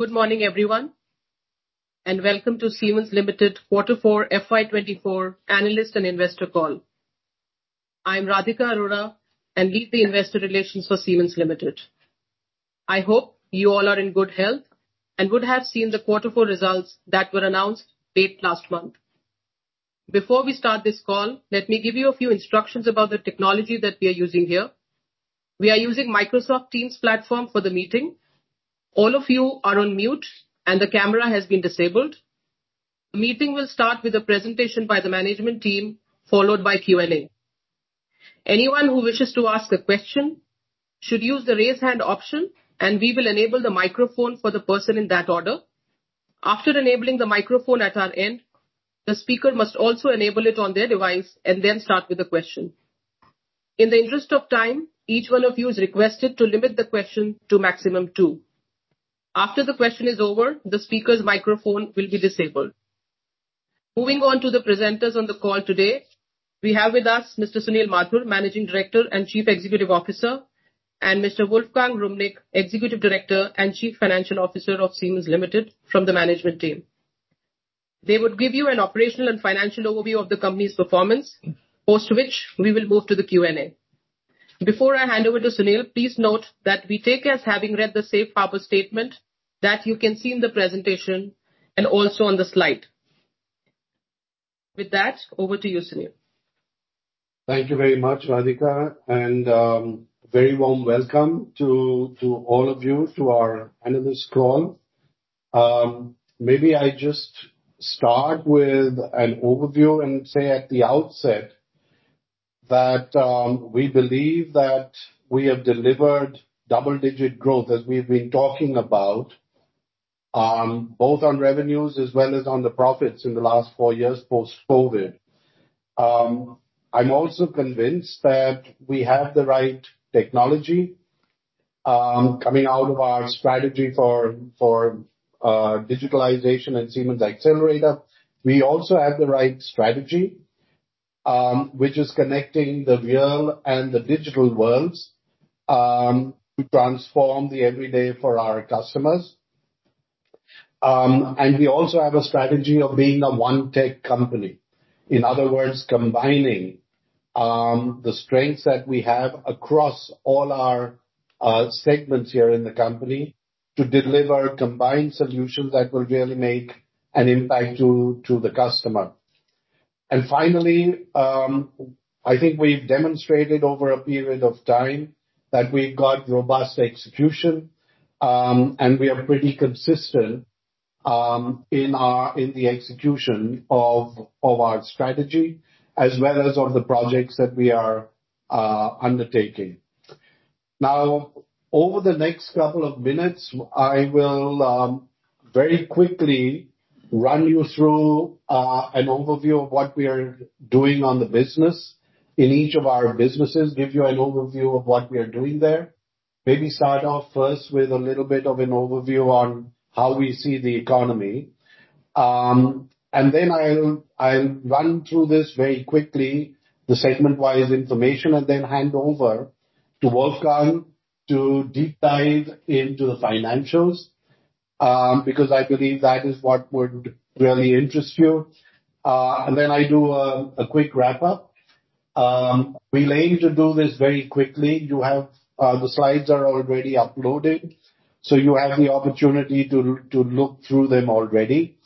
Good morning, everyone, and welcome to Siemens Limited Q4 FY24 Analyst and Investor Call. I'm Radhika Arora and lead the investor relations for Siemens Limited. I hope you all are in good health and would have seen the Q4 results that were announced late last month. Before we start this call, let me give you a few instructions about the technology that we are using here. We are using Microsoft Teams platform for the meeting. All of you are on mute, and the camera has been disabled. The meeting will start with a presentation by the management team, followed by Q&A. Anyone who wishes to ask a question should use the raise hand option, and we will enable the microphone for the person in that order. After enabling the microphone at our end, the speaker must also enable it on their device and then start with a question. In the interest of time, each one of you is requested to limit the question to maximum two. After the question is over, the speaker's microphone will be disabled. Moving on to the presenters on the call today, we have with us Mr. Sunil Mathur, Managing Director and Chief Executive Officer, and Mr. Wolfgang Wrumnig, Executive Director and Chief Financial Officer of Siemens Limited from the management team. They will give you an operational and financial overview of the company's performance, after which we will move to the Q&A. Before I hand over to Sunil, please note that we take it as having read the Safe Harbor Statement that you can see in the presentation and also on the slide. With that, over to you, Sunil. Thank you very much, Radhika, and very warm welcome to all of you to our analyst call. Maybe I just start with an overview and say at the outset that we believe that we have delivered double-digit growth, as we've been talking about, both on revenues as well as on the profits in the last four years post-COVID. I'm also convinced that we have the right technology coming out of our strategy for digitalization and Siemens Xcelerator. We also have the right strategy, which is connecting the real and the digital worlds to transform the everyday for our customers. And we also have a strategy of being a one-tech company. In other words, combining the strengths that we have across all our segments here in the company to deliver combined solutions that will really make an impact to the customer. And finally, I think we've demonstrated over a period of time that we've got robust execution, and we are pretty consistent in the execution of our strategy as well as of the projects that we are undertaking. Now, over the next couple of minutes, I will very quickly run you through an overview of what we are doing on the business in each of our businesses, give you an overview of what we are doing there. Maybe start off first with a little bit of an overview on how we see the economy. And then I'll run through this very quickly, the segment-wise information, and then hand over to Wolfgang to deep dive into the financials because I believe that is what would really interest you. And then I do a quick wrap-up. We're trying to do this very quickly. The slides are already uploaded, so you have the opportunity to look through them already,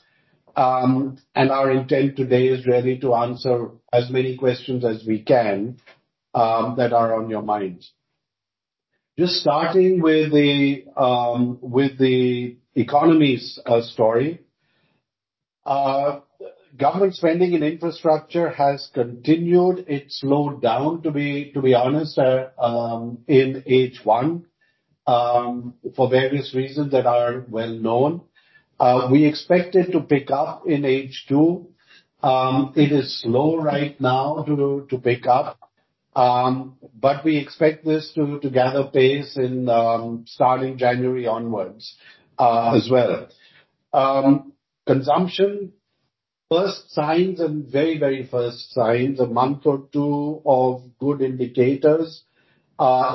and our intent today is really to answer as many questions as we can that are on your minds. Just starting with the economy story, government spending and infrastructure has continued its slowdown, to be honest, in H1 for various reasons that are well known. We expect it to pick up in H2. It is slow right now to pick up, but we expect this to gather pace starting January onwards as well. Consumption, first signs and very, very first signs, a month or two of good indicators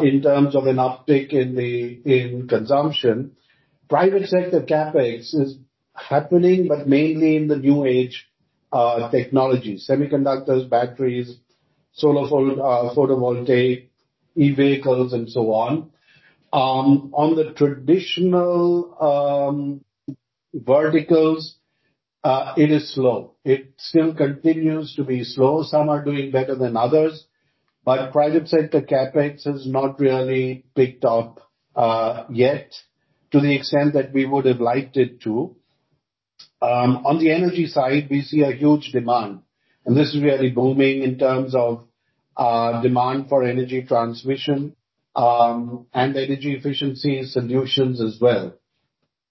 in terms of an uptick in consumption. Private sector CapEx is happening, but mainly in the new-age technologies: semiconductors, batteries, solar photovoltaic, e-vehicles, and so on. On the traditional verticals, it is slow. It still continues to be slow. Some are doing better than others, but private sector CAPEX has not really picked up yet to the extent that we would have liked it to. On the energy side, we see a huge demand, and this is really booming in terms of demand for energy transmission and energy efficiency solutions as well.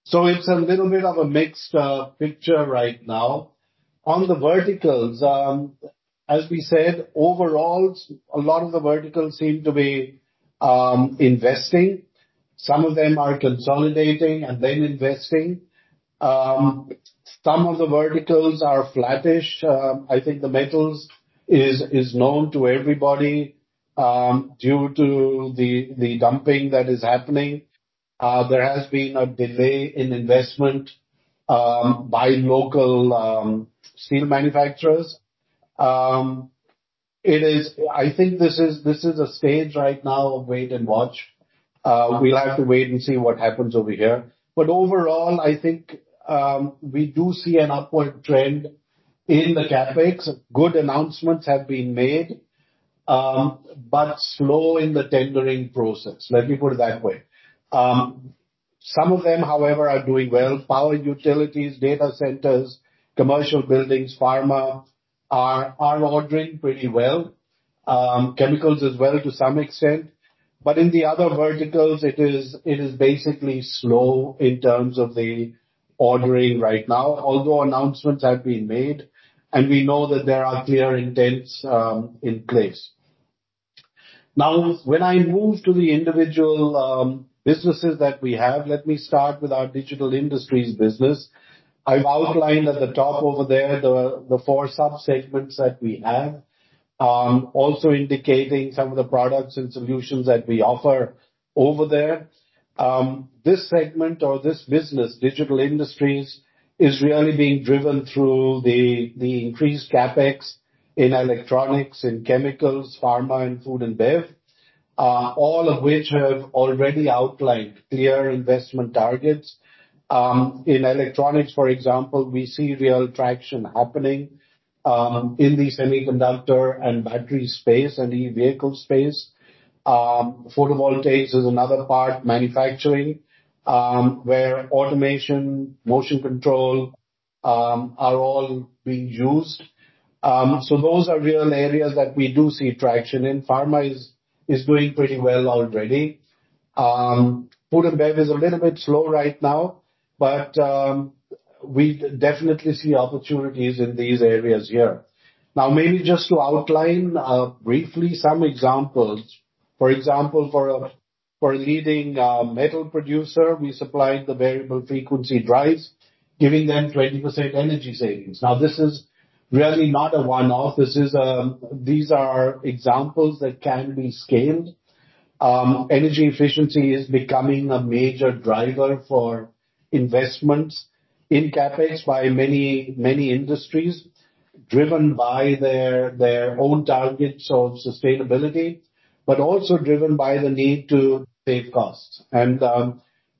So it's a little bit of a mixed picture right now. On the verticals, as we said, overall, a lot of the verticals seem to be investing. Some of them are consolidating and then investing. Some of the verticals are flattish. I think the metals is known to everybody due to the dumping that is happening. There has been a delay in investment by local steel manufacturers. I think this is a stage right now of wait and watch. We'll have to wait and see what happens over here. But overall, I think we do see an upward trend in the CapEx. Good announcements have been made, but slow in the tendering process. Let me put it that way. Some of them, however, are doing well. Power utilities, data centers, commercial buildings, pharma are ordering pretty well. Chemicals as well to some extent. But in the other verticals, it is basically slow in terms of the ordering right now, although announcements have been made, and we know that there are clear intents in place. Now, when I move to the individual businesses that we have, let me start with our Digital Industries business. I've outlined at the top over there the four subsegments that we have, also indicating some of the products and solutions that we offer over there. This segment or this business, Digital Industries, is really being driven through the increased CapEx in electronics, in chemicals, pharma, and food and bev, all of which have already outlined clear investment targets. In electronics, for example, we see real traction happening in the semiconductor and battery space and e-vehicle space. Photovoltaics is another part, manufacturing, where automation, motion control are all being used. So those are real areas that we do see traction in. Pharma is doing pretty well already. Food and bev is a little bit slow right now, but we definitely see opportunities in these areas here. Now, maybe just to outline briefly some examples. For example, for a leading metal producer, we supplied the variable frequency drives, giving them 20% energy savings. Now, this is really not a one-off. These are examples that can be scaled. Energy efficiency is becoming a major driver for investments in CAPEX by many industries, driven by their own targets of sustainability, but also driven by the need to save costs. And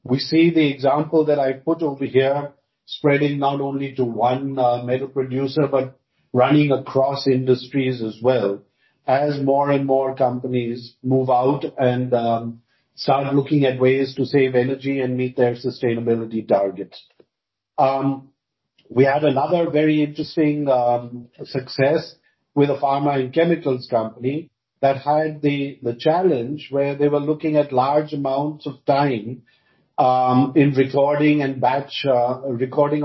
we see the example that I put over here spreading not only to one metal producer, but running across industries as well as more and more companies move out and start looking at ways to save energy and meet their sustainability targets. We had another very interesting success with a pharma and chemicals company that had the challenge where they were looking at large amounts of time in recording of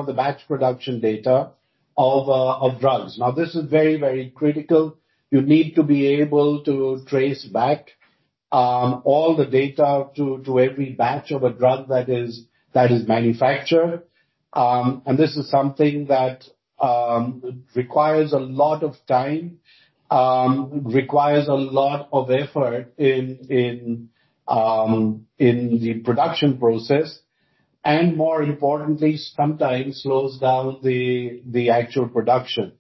the batch production data of drugs. Now, this is very, very critical. You need to be able to trace back all the data to every batch of a drug that is manufactured. This is something that requires a lot of time, requires a lot of effort in the production process, and more importantly, sometimes slows down the actual production.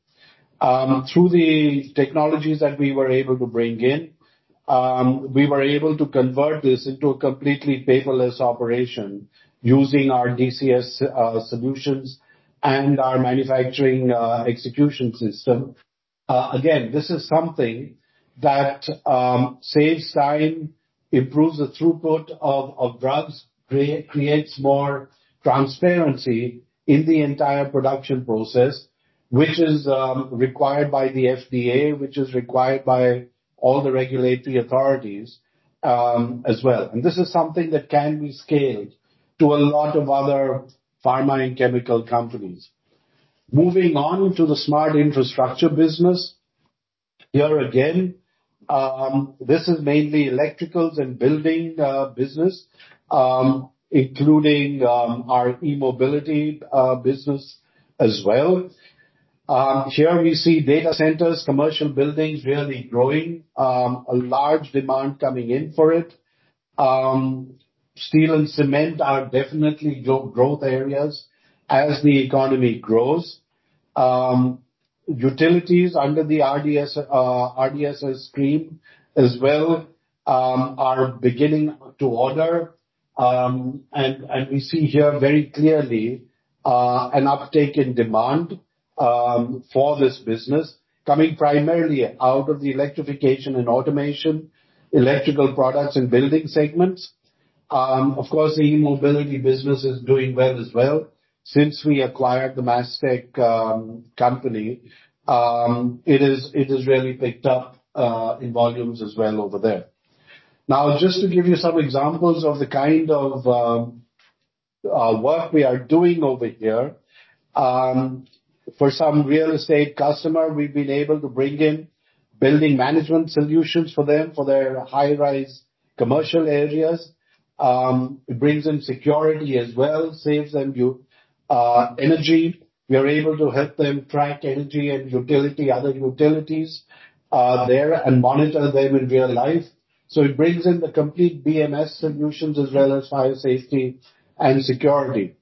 Through the technologies that we were able to bring in, we were able to convert this into a completely paperless operation using our DCS solutions and our manufacturing execution system. Again, this is something that saves time, improves the throughput of drugs, creates more transparency in the entire production process, which is required by the FDA, which is required by all the regulatory authorities as well. This is something that can be scaled to a lot of other pharma and chemical companies. Moving on to the Smart Infrastructure business, here again, this is mainly electricals and building business, including our e-mobility business as well. Here we see data centers, commercial buildings really growing, a large demand coming in for it. Steel and cement are definitely growth areas as the economy grows. Utilities under the RDSS stream as well are beginning to order, and we see here very clearly an uptake in demand for this business coming primarily out of the electrification and automation, electrical products, and building segments. Of course, the e-mobility business is doing well as well. Since we acquired the MASTECH company, it has really picked up in volumes as well over there. Now, just to give you some examples of the kind of work we are doing over here, for some real estate customers, we've been able to bring in building management solutions for them for their high-rise commercial areas. It brings in security as well, saves them energy. We are able to help them track energy and utility, other utilities there and monitor them in real life. So it brings in the complete BMS solutions as well as fire safety and security.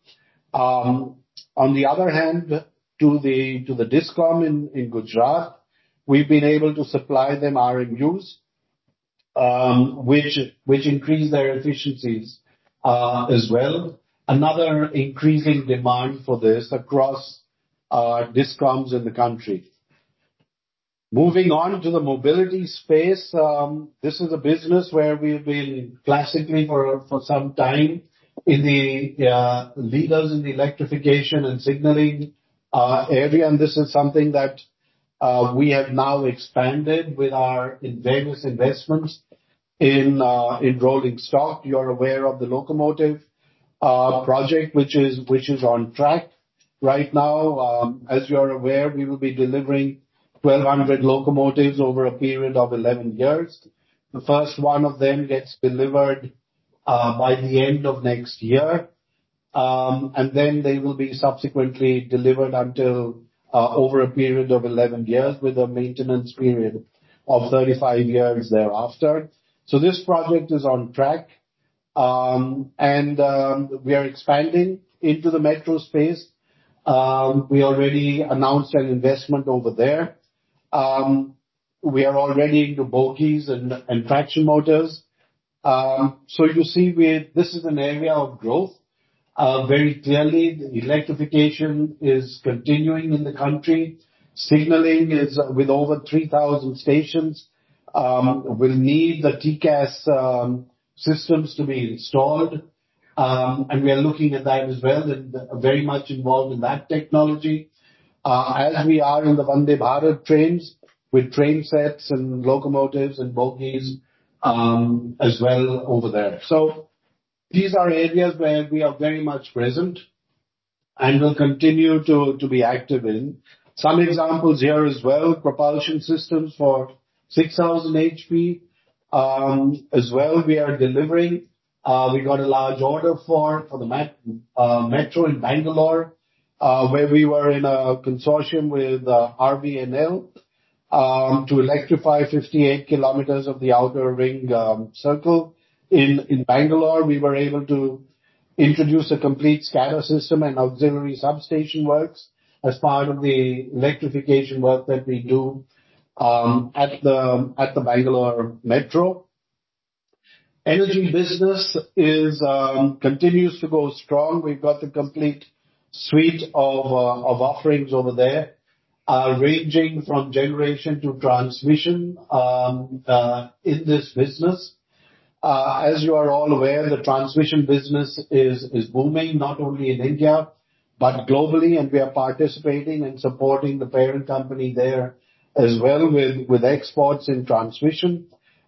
On the other hand, to the DISCOMs in Gujarat, we've been able to supply them RMUs, which increase their efficiencies as well. Another increasing demand for this across DISCOMs in the country. Moving on to the mobility space, this is a business where we've been classically for some time in the leaders in the electrification and signaling area. And this is something that we have now expanded with our various investments in rolling stock. You're aware of the locomotive project, which is on track right now. As you're aware, we will be delivering 1,200 locomotives over a period of 11 years. The first one of them gets delivered by the end of next year, and then they will be subsequently delivered until over a period of 11 years with a maintenance period of 35 years thereafter. So this project is on track, and we are expanding into the metro space. We already announced an investment over there. We are already into bogies and traction motors. So you see, this is an area of growth. Very clearly, the electrification is continuing in the country. Signaling is with over 3,000 stations. We'll need the TCAS systems to be installed, and we are looking at that as well and very much involved in that technology as we are in the Vande Bharat trains with train sets and locomotives and bogies as well over there. So these are areas where we are very much present and will continue to be active in. Some examples here as well, propulsion systems for 6,000 HP as well we are delivering. We got a large order for the metro in Bangalore where we were in a consortium with RVNL to electrify 58 km of the outer ring circle. In Bangalore, we were able to introduce a complete SCADA system and auxiliary substation works as part of the electrification work that we do at the Bangalore metro. Energy business continues to go strong. We've got the complete suite of offerings over there ranging from generation to transmission in this business. As you are all aware, the transmission business is booming not only in India but globally, and we are participating and supporting the parent company there as well with exports and transmission.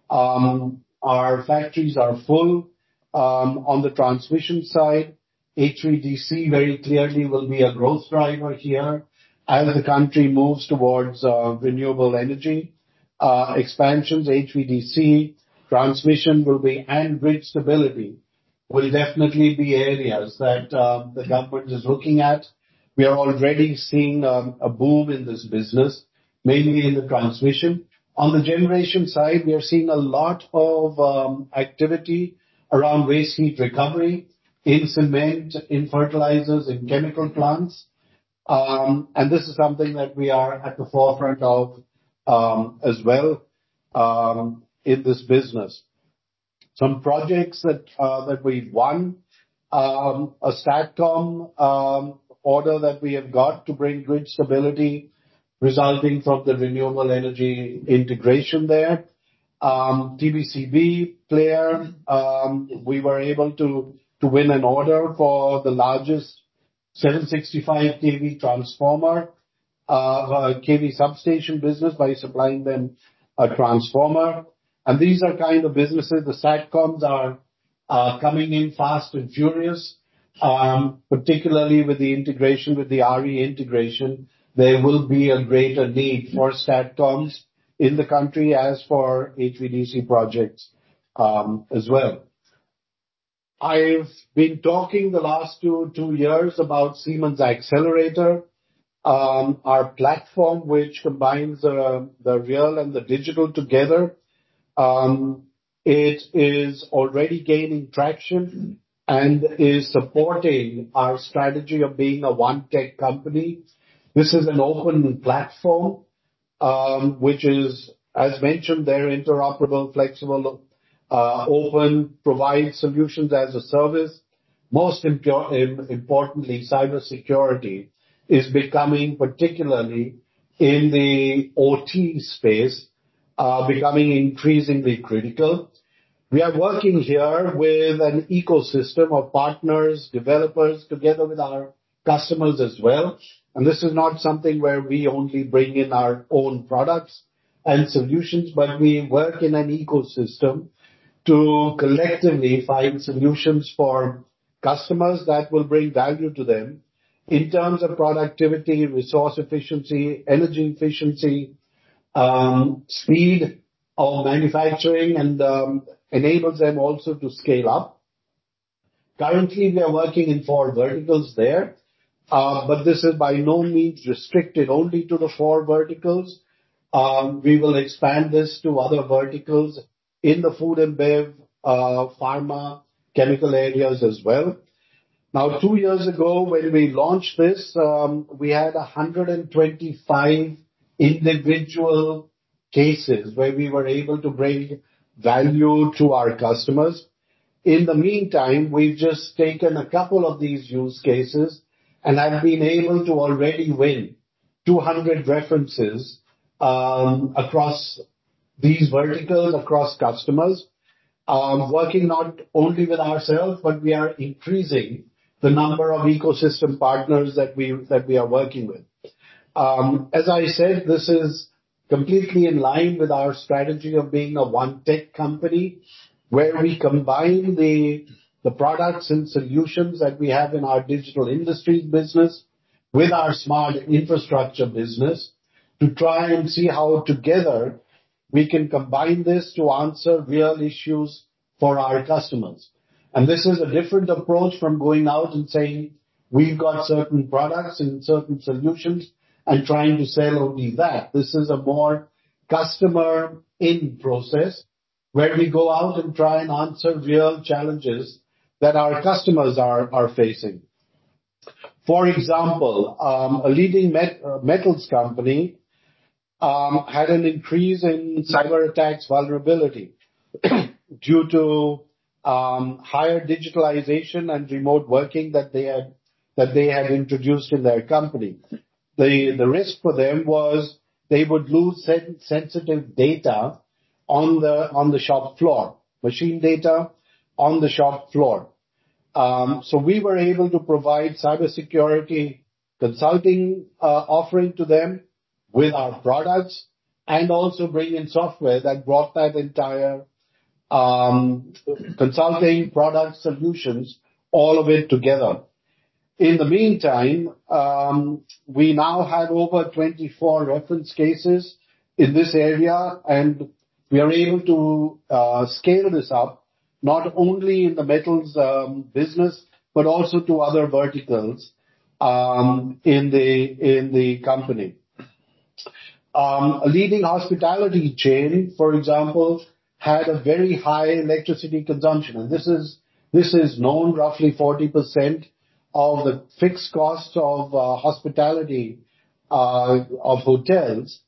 Our factories are full on the transmission side. HVDC very clearly will be a growth driver here as the country moves towards renewable energy expansions. HVDC transmission will be and grid stability will definitely be areas that the government is looking at. We are already seeing a boom in this business, mainly in the transmission. On the generation side, we are seeing a lot of activity around waste heat recovery in cement, in fertilizers, in chemical plants. This is something that we are at the forefront of as well in this business. Some projects that we've won, a STATCOM order that we have got to bring grid stability resulting from the renewable energy integration there. TBCB player, we were able to win an order for the largest 765 kV transformer kV substation business by supplying them a transformer. These are kind of businesses. The STATCOMs are coming in fast and furious, particularly with the integration with the RE integration. There will be a greater need for STATCOMs in the country as for HVDC projects as well. I've been talking the last two years about Siemens Xcelerator, our platform which combines the real and the digital together. It is already gaining traction and is supporting our strategy of being a one-tech company. This is an open platform, which is, as mentioned, they're interoperable, flexible, open, provide solutions as a service. Most importantly, cybersecurity is becoming particularly in the OT space, becoming increasingly critical. We are working here with an ecosystem of partners, developers together with our customers as well. And this is not something where we only bring in our own products and solutions, but we work in an ecosystem to collectively find solutions for customers that will bring value to them in terms of productivity, resource efficiency, energy efficiency, speed of manufacturing, and enables them also to scale up. Currently, we are working in four verticals there, but this is by no means restricted only to the four verticals. We will expand this to other verticals in the food and bev, pharma, chemical areas as well. Now, two years ago when we launched this, we had 125 individual cases where we were able to bring value to our customers. In the meantime, we've just taken a couple of these use cases, and I've been able to already win 200 references across these verticals, across customers, working not only with ourselves, but we are increasing the number of ecosystem partners that we are working with. As I said, this is completely in line with our strategy of being a one-tech company where we combine the products and solutions that we have in our digital industry business with our smart infrastructure business to try and see how together we can combine this to answer real issues for our customers. And this is a different approach from going out and saying, "We've got certain products and certain solutions," and trying to sell only that. This is a more customer-in process where we go out and try and answer real challenges that our customers are facing. For example, a leading metals company had an increase in cyber attacks vulnerability due to higher digitalization and remote working that they had introduced in their company. The risk for them was they would lose sensitive data on the shop floor, machine data on the shop floor. We were able to provide cybersecurity consulting offering to them with our products and also bring in software that brought that entire consulting product solutions, all of it together. In the meantime, we now have over 24 reference cases in this area, and we are able to scale this up not only in the metals business but also to other verticals in the company. A leading hospitality chain, for example, had a very high electricity consumption, and this is known roughly 40% of the fixed cost of hospitality of hotels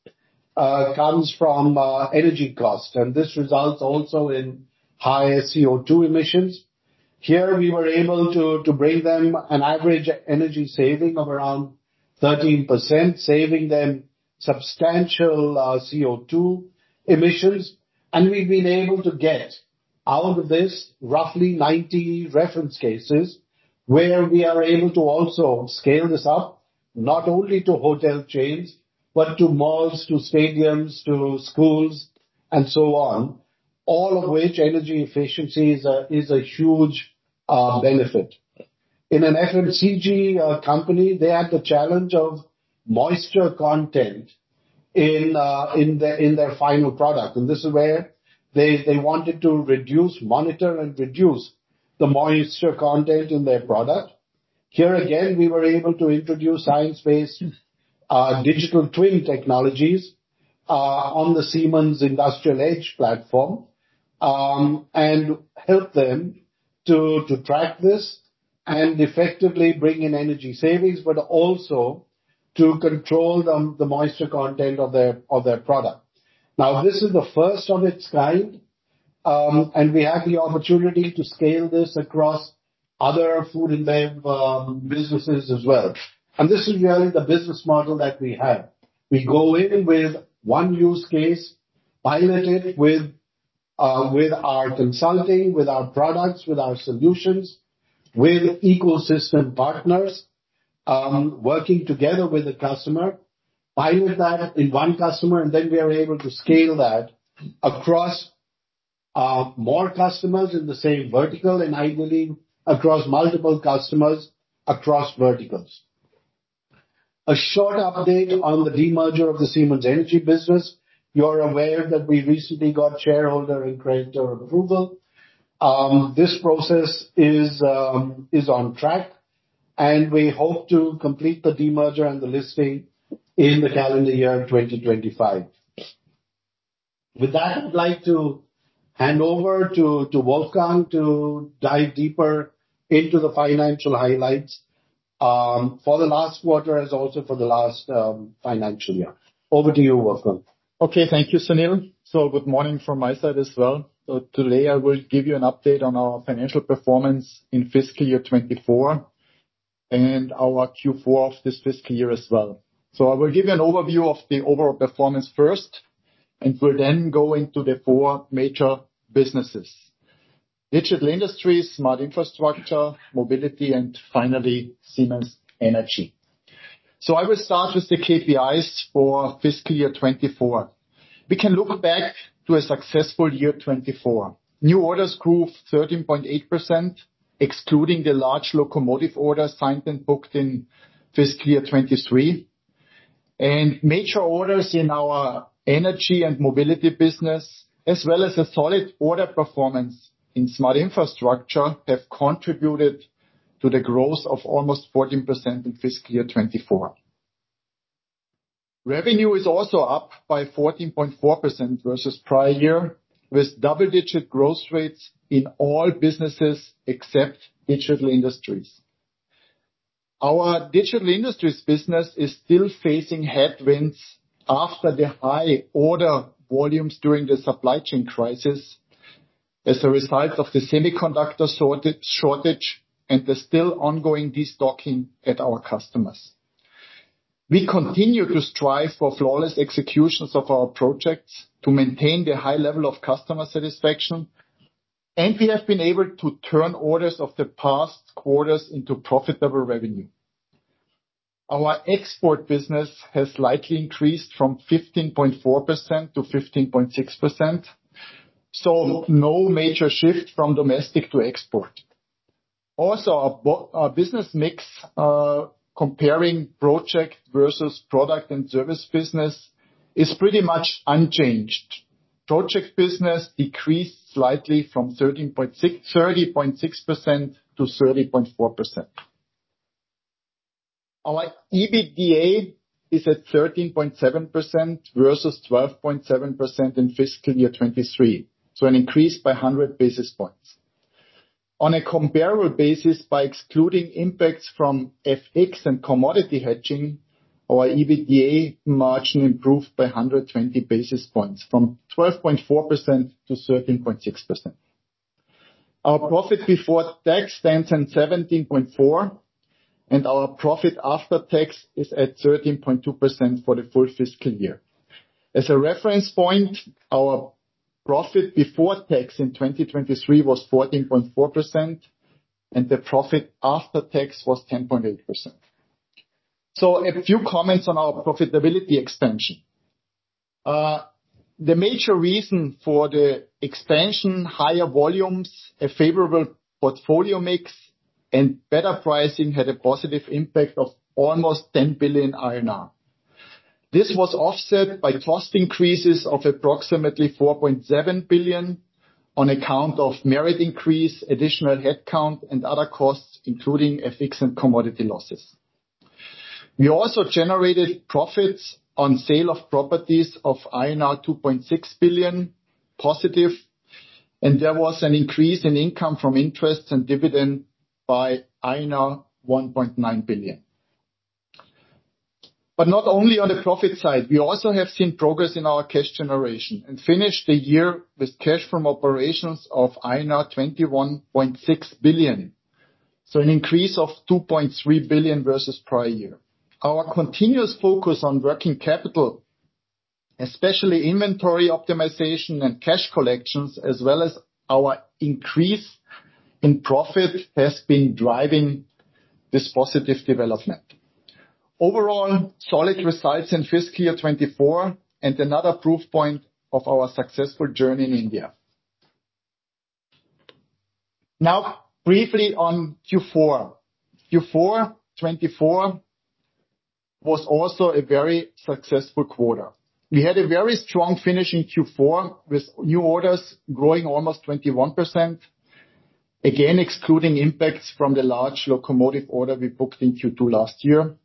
comes from energy cost. This results also in higher CO2 emissions. Here, we were able to bring them an average energy saving of around 13%, saving them substantial CO2 emissions. We've been able to get out of this roughly 90 reference cases where we are able to also scale this up not only to hotel chains but to malls, to stadiums, to schools, and so on, all of which energy efficiency is a huge benefit. In an FMCG company, they had the challenge of moisture content in their final product. This is where they wanted to reduce, monitor, and reduce the moisture content in their product. Here again, we were able to introduce science-based digital twin technologies on the Siemens Industrial Edge platform and help them to track this and effectively bring in energy savings, but also to control the moisture content of their product. Now, this is the first of its kind, and we have the opportunity to scale this across other food and bev businesses as well. And this is really the business model that we have. We go in with one use case, pilot it with our consulting, with our products, with our solutions, with ecosystem partners, working together with the customer, pilot that in one customer, and then we are able to scale that across more customers in the same vertical, and I believe across multiple customers across verticals. A short update on the demerger of the Siemens Energy business. You're aware that we recently got shareholder and creditor approval. This process is on track, and we hope to complete the demerger and the listing in the calendar year 2025. With that, I'd like to hand over to Wolfgang to dive deeper into the financial highlights for the last quarter as also for the last financial year. Over to you, Wolfgang. Okay. Thank you, Sunil. So good morning from my side as well. Today, I will give you an update on our financial performance in fiscal year 24 and our Q4 of this fiscal year as well. I will give you an overview of the overall performance first, and we'll then go into the four major businesses: Digital Industries, Smart Infrastructure, Mobility, and finally, Siemens Energy. I will start with the KPIs for fiscal year 24. We can look back to a successful year 24. New orders grew 13.8%, excluding the large locomotive orders signed and booked in fiscal year 23. Major orders in our energy and mobility business, as well as a solid order performance in Smart Infrastructure, have contributed to the growth of almost 14% in fiscal year 24. Revenue is also up by 14.4% versus prior year, with double-digit growth rates in all businesses except Digital Industries. Our digital industries business is still facing headwinds after the high order volumes during the supply chain crisis as a result of the semiconductor shortage and the still ongoing destocking at our customers. We continue to strive for flawless executions of our projects to maintain the high level of customer satisfaction, and we have been able to turn orders of the past quarters into profitable revenue. Our export business has slightly increased from 15.4% to 15.6%, so no major shift from domestic to export. Also, our business mix, comparing project versus product and service business, is pretty much unchanged. Project business decreased slightly from 30.6% to 30.4%. Our EBITDA is at 13.7% versus 12.7% in fiscal year 2023, so an increase by 100 basis points. On a comparable basis, by excluding impacts from FX and commodity hedging, our EBITDA margin improved by 120 basis points from 12.4% to 13.6%. Our profit before tax stands at 17.4%, and our profit after tax is at 13.2% for the full fiscal year. As a reference point, our profit before tax in 2023 was 14.4%, and the profit after tax was 10.8%. So a few comments on our profitability expansion. The major reason for the expansion, higher volumes, a favorable portfolio mix, and better pricing had a positive impact of almost 10 billion. This was offset by cost increases of approximately 4.7 billion on account of merit increase, additional headcount, and other costs, including FX and commodity losses. We also generated profits on sale of properties of INR 2.6 billion, positive, and there was an increase in income from interest and dividend by 1.9 billion. But not only on the profit side, we also have seen progress in our cash generation and finished the year with cash from operations of INR 21.6 billion, so an increase of 2.3 billion versus prior year. Our continuous focus on working capital, especially inventory optimization and cash collections, as well as our increase in profit, has been driving this positive development. Overall, solid results in fiscal year 2024 and another proof point of our successful journey in India. Now, briefly on Q4. Q4 2024 was also a very successful quarter. We had a very strong finish in Q4 with new orders growing almost 21%, again excluding impacts from the large locomotive order we booked in Q2 last year.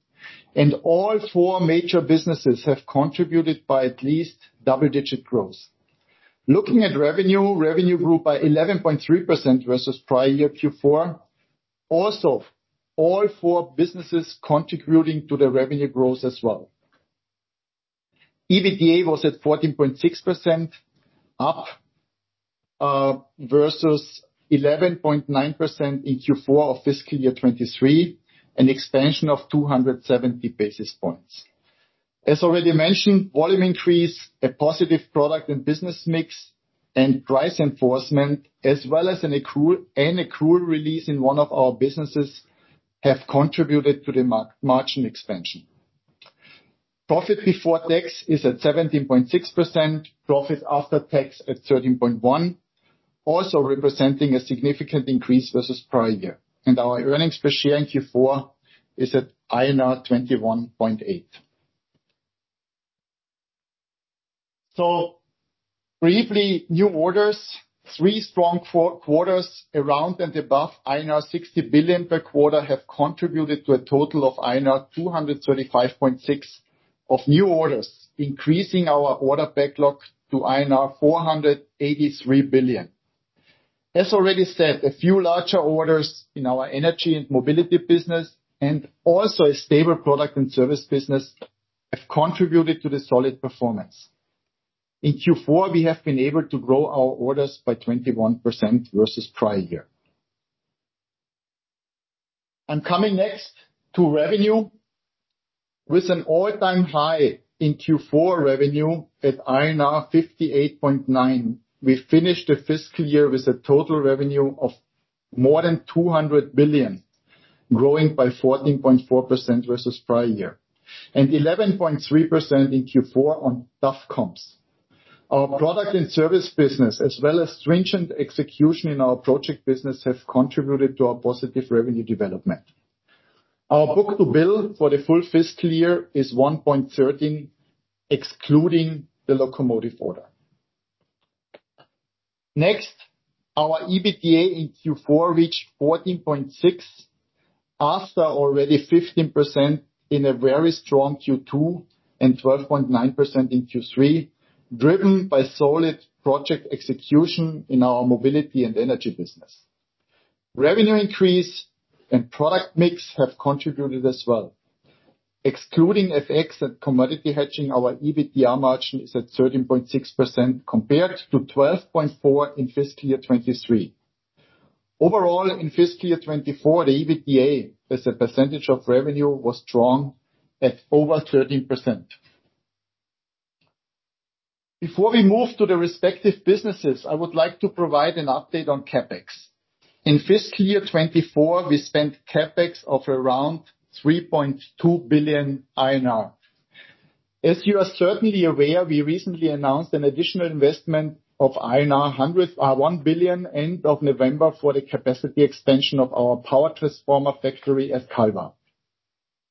And all four major businesses have contributed by at least double-digit growth. Looking at revenue, revenue grew by 11.3% versus prior year Q4. Also, all four businesses contributing to the revenue growth as well. EBITDA was at 14.6%, up versus 11.9% in Q4 of fiscal year 2023, an expansion of 270 basis points. As already mentioned, volume increase, a positive product and business mix, and price enforcement, as well as an accrual release in one of our businesses, have contributed to the margin expansion. Profit before tax is at 17.6%, profit after tax at 13.1%, also representing a significant increase versus prior year, and our earnings per share in Q4 is at 21.8, so briefly, new orders, three strong quarters around and above INR 60 billion per quarter have contributed to a total of INR 235.6 of new orders, increasing our order backlog to INR 483 billion. As already said, a few larger orders in our energy and mobility business and also a stable product and service business have contributed to the solid performance. In Q4, we have been able to grow our orders by 21% versus prior year. And coming next to revenue, with an all-time high in Q4 revenue at INR 58.9, we finished the fiscal year with a total revenue of more than 200 billion, growing by 14.4% versus prior year, and 11.3% in Q4 on tough comps. Our product and service business, as well as stringent execution in our project business, have contributed to our positive revenue development. Our book-to-bill for the full fiscal year is 1.13, excluding the locomotive order. Next, our EBITDA in Q4 reached 14.6%, after already 15% in a very strong Q2 and 12.9% in Q3, driven by solid project execution in our mobility and energy business. Revenue increase and product mix have contributed as well. Excluding FX and commodity hedging, our EBITDA margin is at 13.6% compared to 12.4% in fiscal year 2023. Overall, in fiscal year 2024, the EBITDA as a percentage of revenue was strong at over 13%. Before we move to the respective businesses, I would like to provide an update on CAPEX. In fiscal year 2024, we spent CAPEX of around 3.2 billion INR. As you are certainly aware, we recently announced an additional investment of 1 billion end of November for the capacity expansion of our power transformer factory at Kalwa.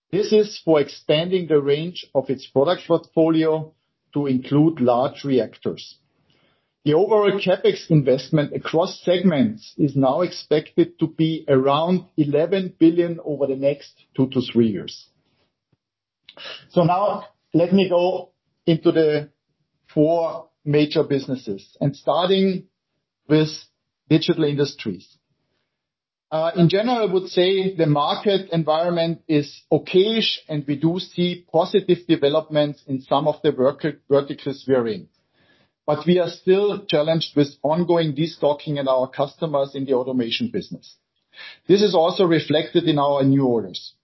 This is for expanding the range of its product portfolio to include large reactors. The overall CAPEX investment across segments is now expected to be around 11 billion over the next two to three years. So now, let me go into the four major businesses, and starting with digital industries. In general, I would say the market environment is okay, and we do see positive developments in some of the verticals we are in. But we are still challenged with ongoing destocking in our customers in the automation business. This is also reflected in our new orders.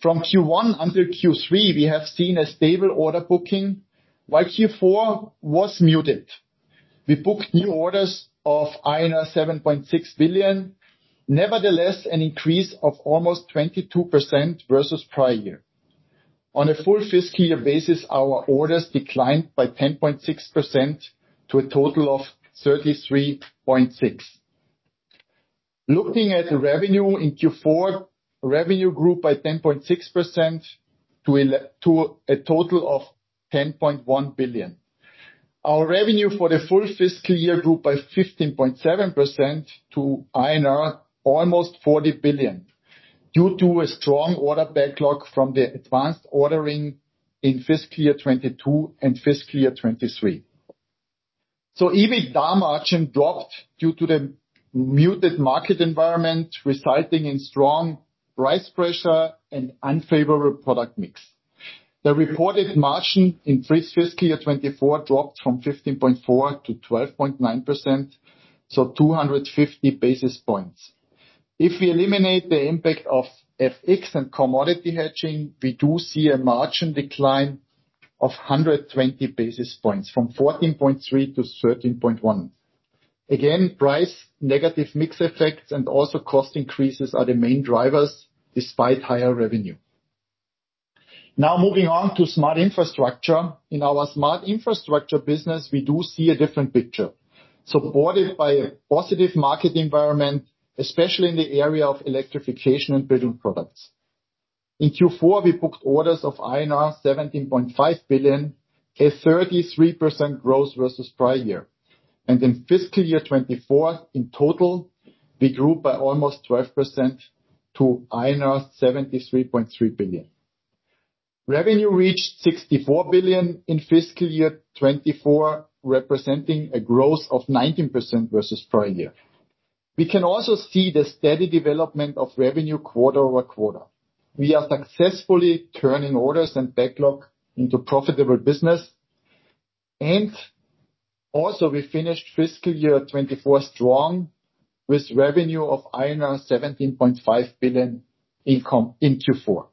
From Q1 until Q3, we have seen a stable order booking, while Q4 was muted. We booked new orders of INR 7.6 billion. Nevertheless, an increase of almost 22% versus prior year. On a full fiscal year basis, our orders declined by 10.6% to a total of 33.6 billion. Looking at revenue in Q4, revenue grew by 10.6% to a total of 10.1 billion. Our revenue for the full fiscal year grew by 15.7% to INR almost 40 billion due to a strong order backlog from the advanced ordering in fiscal year 2022 and fiscal year 2023, so EBITDA margin dropped due to the muted market environment, resulting in strong price pressure and unfavorable product mix. The reported margin in fiscal year 2024 dropped from 15.4% to 12.9%, so 250 basis points. If we eliminate the impact of FX and commodity hedging, we do see a margin decline of 120 basis points from 14.3% to 13.1%. Again, price negative mix effects and also cost increases are the main drivers, despite higher revenue. Now, moving on to smart infrastructure. In our smart infrastructure business, we do see a different picture, supported by a positive market environment, especially in the area of electrification and building products. In Q4, we booked orders of INR 17.5 billion, a 33% growth versus prior year. In fiscal year 2024, in total, we grew by almost 12% to INR 73.3 billion. Revenue reached 64 billion in fiscal year 2024, representing a growth of 19% versus prior year. We can also see the steady development of revenue quarter over quarter. We are successfully turning orders and backlog into profitable business. And also, we finished fiscal year 2024 strong with revenue of INR 17.5 billion in Q4.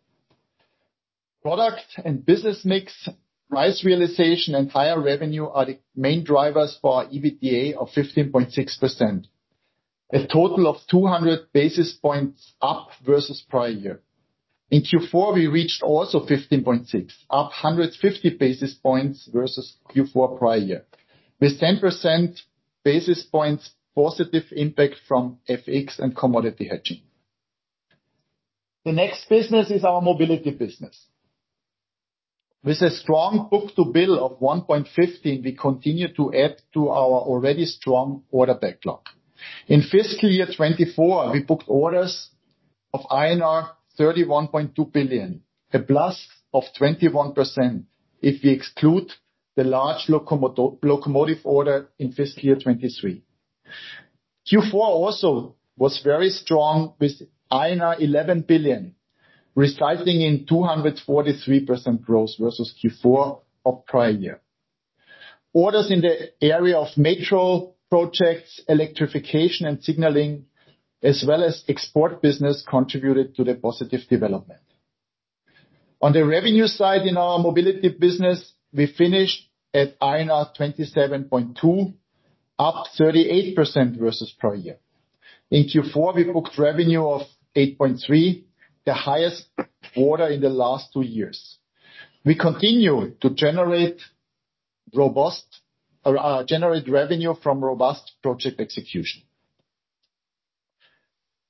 Product and business mix, price realization, and higher revenue are the main drivers for our EBITDA of 15.6%, a total of 200 basis points up versus prior year. In Q4, we reached also 15.6%, up 150 basis points versus Q4 prior year, with 100 basis points positive impact from FX and commodity hedging. The next business is our mobility business. With a strong book-to-bill of 1.15, we continue to add to our already strong order backlog. In fiscal year 2024, we booked orders of INR 31.2 billion, a plus of 21% if we exclude the large locomotive order in fiscal year 2023. Q4 also was very strong with 11 billion, resulting in 243% growth versus Q4 of prior year. Orders in the area of metro projects, electrification and signaling, as well as export business, contributed to the positive development. On the revenue side in our mobility business, we finished at INR 27.2 billion, up 38% versus prior year. In Q4, we booked revenue of 8.3 billion, the highest quarter in the last two years. We continue to generate revenue from robust project execution.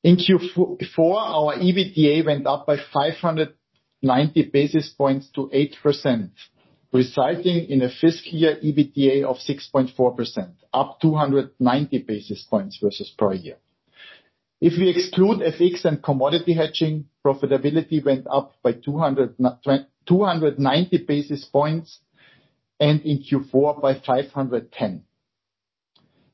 In Q4, our EBITDA went up by 590 basis points to 8%, resulting in a fiscal year EBITDA of 6.4%, up 290 basis points versus prior year. If we exclude FX and commodity hedging, profitability went up by 290 basis points and in Q4 by 510.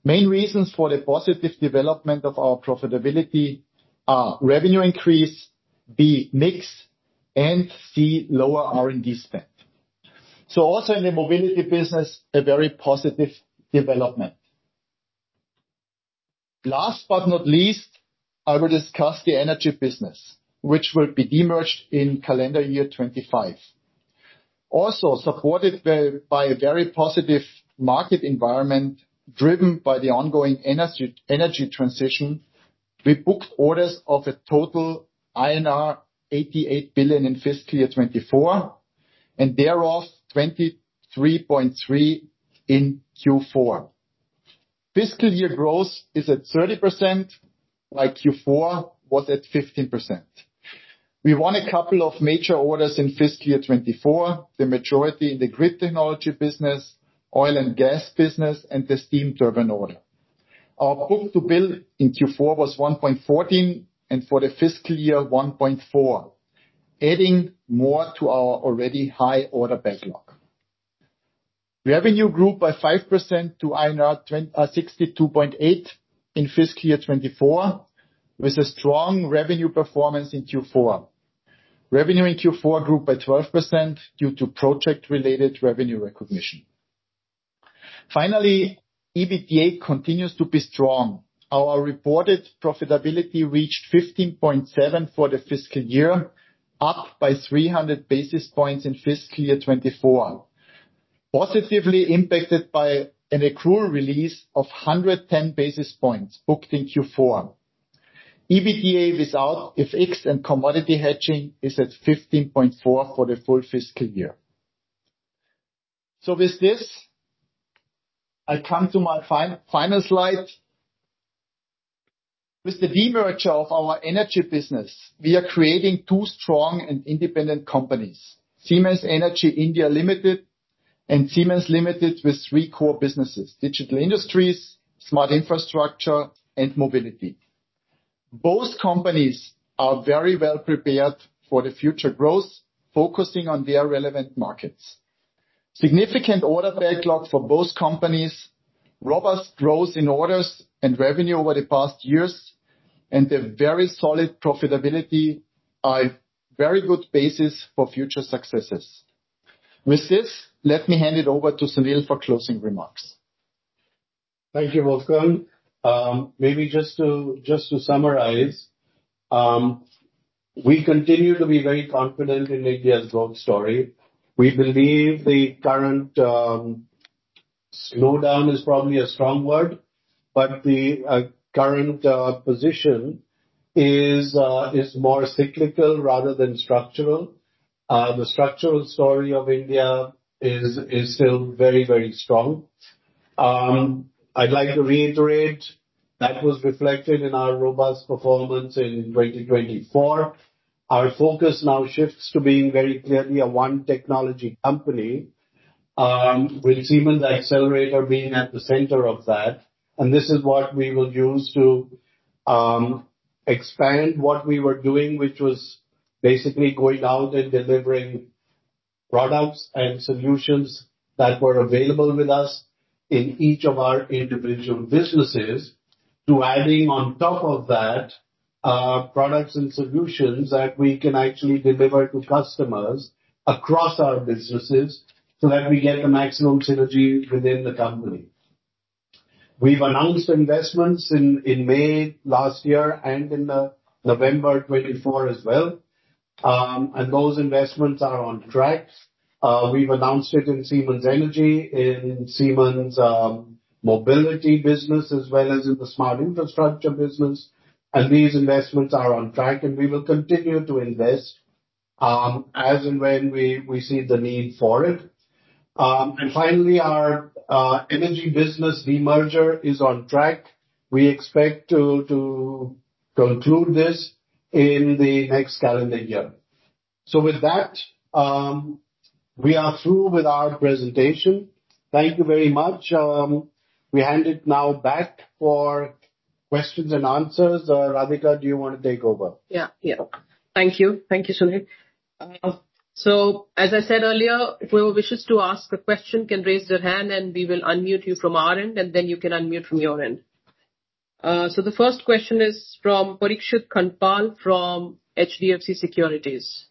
Main reasons for the positive development of our profitability are revenue increase, B mix, and C lower R&D spend. So also in the mobility business, a very positive development. Last but not least, I will discuss the energy business, which will be demerged in calendar year 25. Also, supported by a very positive market environment driven by the ongoing energy transition, we booked orders of a total INR 88 billion in fiscal year 24 and thereof 23.3 in Q4. Fiscal year growth is at 30%, while Q4 was at 15%. We won a couple of major orders in fiscal year 24, the majority in the grid technology business, oil and gas business, and the steam turbine order. Our Book-to-Bill in Q4 was 1.14 and for the fiscal year 1.4, adding more to our already high order backlog. Revenue grew by 5% to INR 62.8 in fiscal year 24, with a strong revenue performance in Q4. Revenue in Q4 grew by 12% due to project-related revenue recognition. Finally, EBITDA continues to be strong. Our reported profitability reached 15.7 for the fiscal year, up by 300 basis points in fiscal year 24, positively impacted by an accrual release of 110 basis points booked in Q4. EBITDA without FX and commodity hedging is at 15.4 for the full fiscal year, so with this, I come to my final slide. With the demerger of our energy business, we are creating two strong and independent companies, Siemens Energy India Limited and Siemens Limited, with three core businesses: digital industries, smart infrastructure, and mobility. Both companies are very well prepared for the future growth, focusing on their relevant markets. Significant order backlog for both companies, robust growth in orders and revenue over the past years, and a very solid profitability are very good basis for future successes. With this, let me hand it over to Sunil for closing remarks. Thank you, Wolfgang. Maybe just to summarize, we continue to be very confident in India's growth story. We believe the current slowdown is probably a strong word, but the current position is more cyclical rather than structural. The structural story of India is still very, very strong. I'd like to reiterate that was reflected in our robust performance in 2024. Our focus now shifts to being very clearly a one technology company, with Siemens Xcelerator being at the center of that. And this is what we will use to expand what we were doing, which was basically going out and delivering products and solutions that were available with us in each of our individual businesses, to adding on top of that products and solutions that we can actually deliver to customers across our businesses so that we get the maximum synergy within the company. We've announced investments in May last year and in November 2024 as well. And those investments are on track. We've announced it in Siemens Energy, in Siemens Mobility business, as well as in the Smart Infrastructure business. And these investments are on track, and we will continue to invest as and when we see the need for it. Finally, our energy business demerger is on track. We expect to conclude this in the next calendar year. So with that, we are through with our presentation. Thank you very much. We hand it now back for questions and answers. Radhika, do you want to take over? Yeah, yeah. Thank you. Thank you, Sunil. So as I said earlier, if you wish to ask a question, you can raise your hand, and we will unmute you from our end, and then you can unmute from your end. So the first question is from Parikshit Kandpal from HDFC Securities.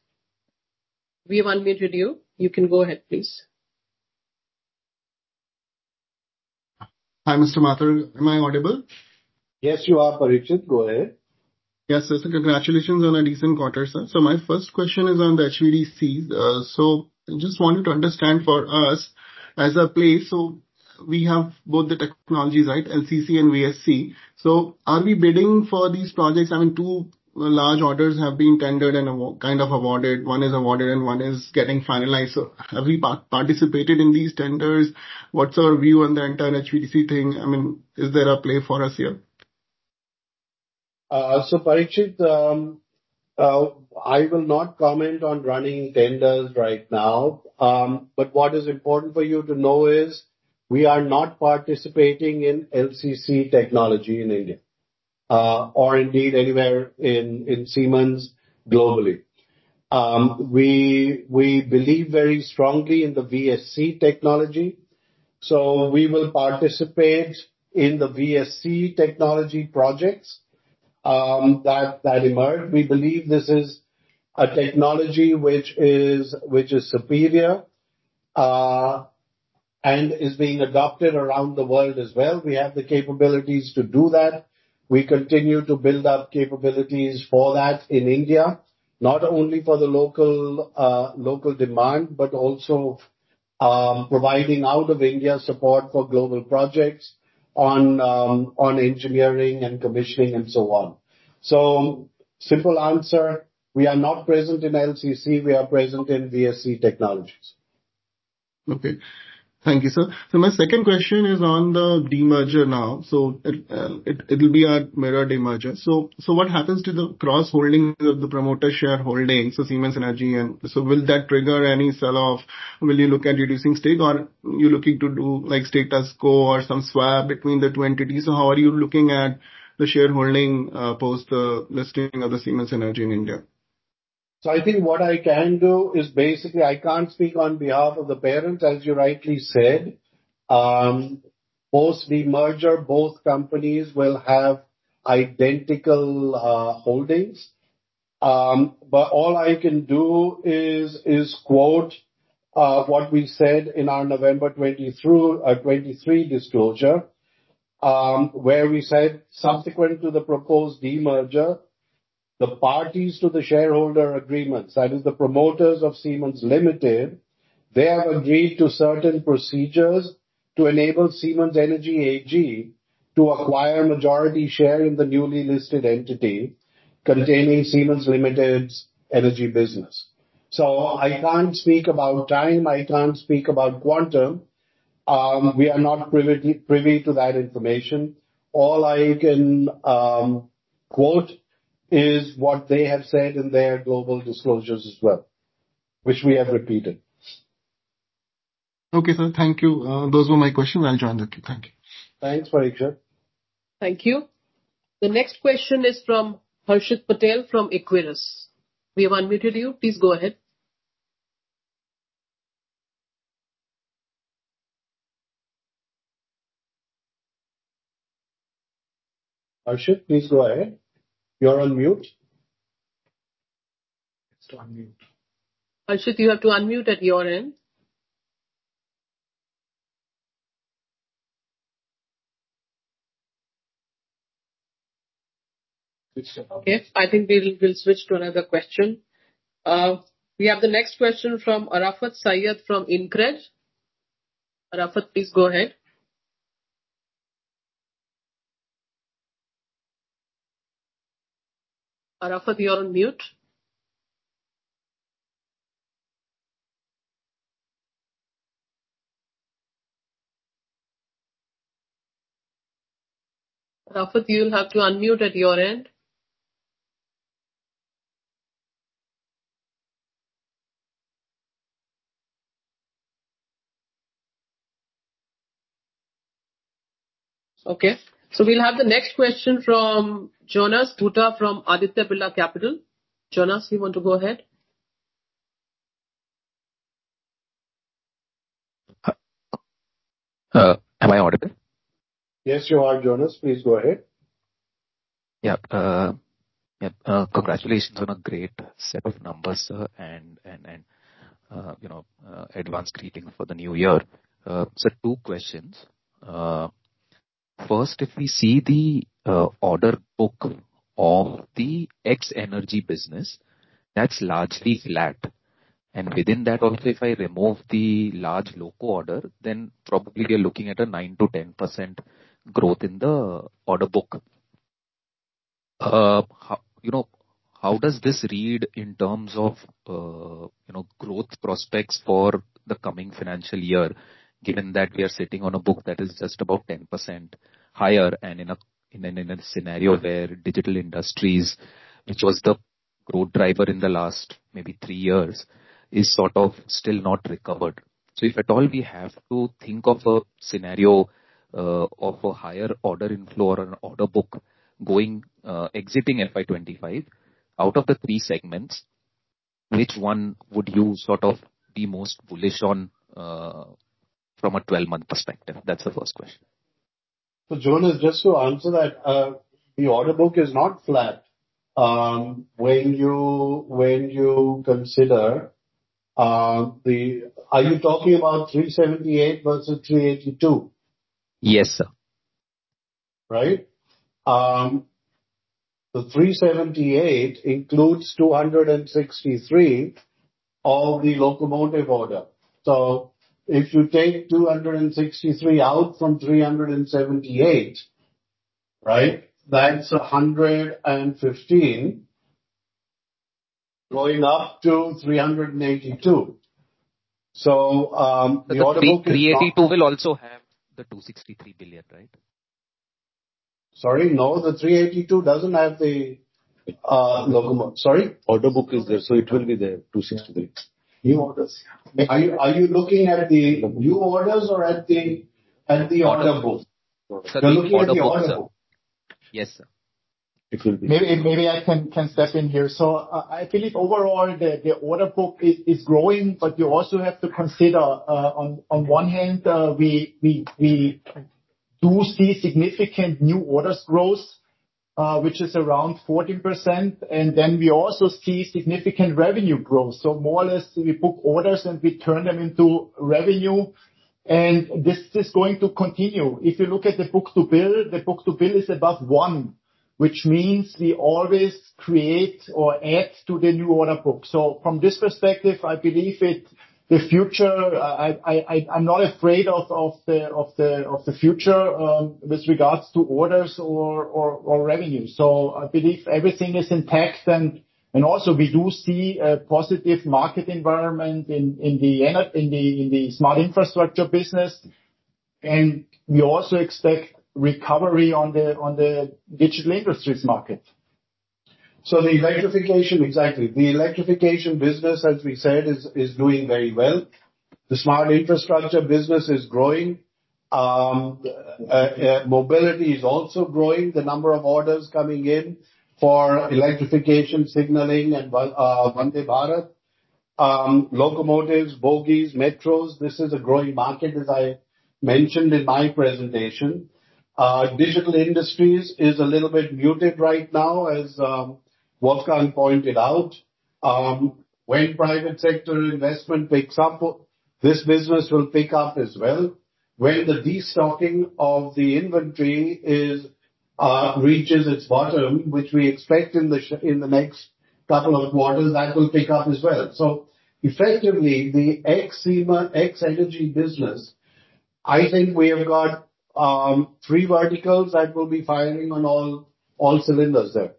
We have unmuted you. You can go ahead, please. Hi, Mr. Mathur. Am I audible? Yes, you are, Parikshit. Go ahead. Yes, sir. So congratulations on a decent quarter, sir. So my first question is on the HVDC. So I just want you to understand for us as a place, so we have both the technologies, right, LCC and VSC. So are we bidding for these projects? I mean, two large orders have been tendered and kind of awarded. One is awarded, and one is getting finalized. So have we participated in these tenders? What's our view on the entire HVDC thing? I mean, is there a play for us here? So Parikshit, I will not comment on running tenders right now. But what is important for you to know is we are not participating in LCC technology in India or indeed anywhere in Siemens globally. We believe very strongly in the VSC technology. So we will participate in the VSC technology projects that emerge. We believe this is a technology which is superior and is being adopted around the world as well. We have the capabilities to do that. We continue to build up capabilities for that in India, not only for the local demand, but also providing out-of-India support for global projects on engineering and commissioning and so on. So simple answer, we are not present in LCC. We are present in VSC technologies. Okay. Thank you, sir. So my second question is on the demerger now. So it'll be a mirror demerger. So what happens to the cross-holding of the promoter shareholding, so Siemens Energy? And so will that trigger any sell-off? Will you look at reducing stake, or are you looking to do like status quo or some swap between the two entities? So how are you looking at the shareholding post-listing of the Siemens Energy in India? So I think what I can do is basically I can't speak on behalf of the parents, as you rightly said. Post-demerger, both companies will have identical holdings, but all I can do is quote what we said in our November 23 disclosure, where we said subsequent to the proposed demerger, the parties to the shareholder agreements, that is, the promoters of Siemens Limited, they have agreed to certain procedures to enable Siemens Energy AG to acquire a majority share in the newly listed entity containing Siemens Limited's energy business, so I can't speak about time. I can't speak about quantum. We are not privy to that information. All I can quote is what they have said in their global disclosures as well, which we have repeated. Okay, sir. Thank you. Those were my questions. I'll join the queue. Thank you. Thanks, Parikshit. Thank you. The next question is from Harshit Patel from Equirus. We have unmuted you. Please go ahead. Harshit, please go ahead. You're on mute. Harshit, you have to unmute at your end. Okay. I think we'll switch to another question. We have the next question from Arafat Syed from InCred. Arafat, please go ahead. Arafat, you're on mute. Arafat, you'll have to unmute at your end. Okay. So we'll have the next question from Jonas Bhutta from Aditya Birla Capital. Jonas, you want to go ahead? Am I audible? Yes, you are, Jonas. Please go ahead. Yeah. Congratulations on a great set of numbers, sir, and advance greetings for the new year. Sir, two questions. First, if we see the order book of the ex-energy business, that's largely flat. And within that, also if I remove the large loca order, then probably we are looking at a 9%-10% growth in the order book. How does this read in terms of growth prospects for the coming financial year, given that we are sitting on a book that is just about 10% higher and in a scenario where digital industries, which was the growth driver in the last maybe three years, is sort of still not recovered? So if at all we have to think of a scenario of a higher order inflow or an order book exiting FY25, out of the three segments, which one would you sort of be most bullish on from a 12-month perspective? That's the first question. So Jonas, just to answer that, the order book is not flat when you consider that. Are you talking about 378 versus 382? Yes, sir. Right? The 378 includes 263 of the locomotive order. So if you take 263 out from 378, right, that's 115 going up to 382. So the order book is 382 billion, which will also have the 263 billion, right? Sorry? No, the 382 billion doesn't have the locomotive. Sorry? Order book is there, so it will be there, 263 billion. New orders. Are you looking at the new orders or at the order book? You're looking at the order book. Yes, sir. It will be. Maybe I can step in here. I believe overall, the order book is growing, but you also have to consider, on one hand, we do see significant new orders growth, which is around 14%. Then we also see significant revenue growth. More or less, we book orders and we turn them into revenue. This is going to continue. If you look at the book-to-bill, the book-to-bill is above one, which means we always create or add to the new order book. From this perspective, I believe the future. I'm not afraid of the future with regards to orders or revenue. I believe everything is intact. We also see a positive market environment in the Smart Infrastructure business. We also expect recovery on the Digital Industries market. The electrification—exactly. The electrification business, as we said, is doing very well. The Smart Infrastructure business is growing. Mobility is also growing. The number of orders coming in for electrification, signaling, and Vande Bharat, locomotives, bogies, metros—this is a growing market, as I mentioned in my presentation. Digital Industries is a little bit muted right now, as Wolfgang pointed out. When private sector investment picks up, this business will pick up as well. When the destocking of the inventory reaches its bottom, which we expect in the next couple of quarters, that will pick up as well. So effectively, the ex-Energy business, I think we have got three verticals that will be firing on all cylinders there.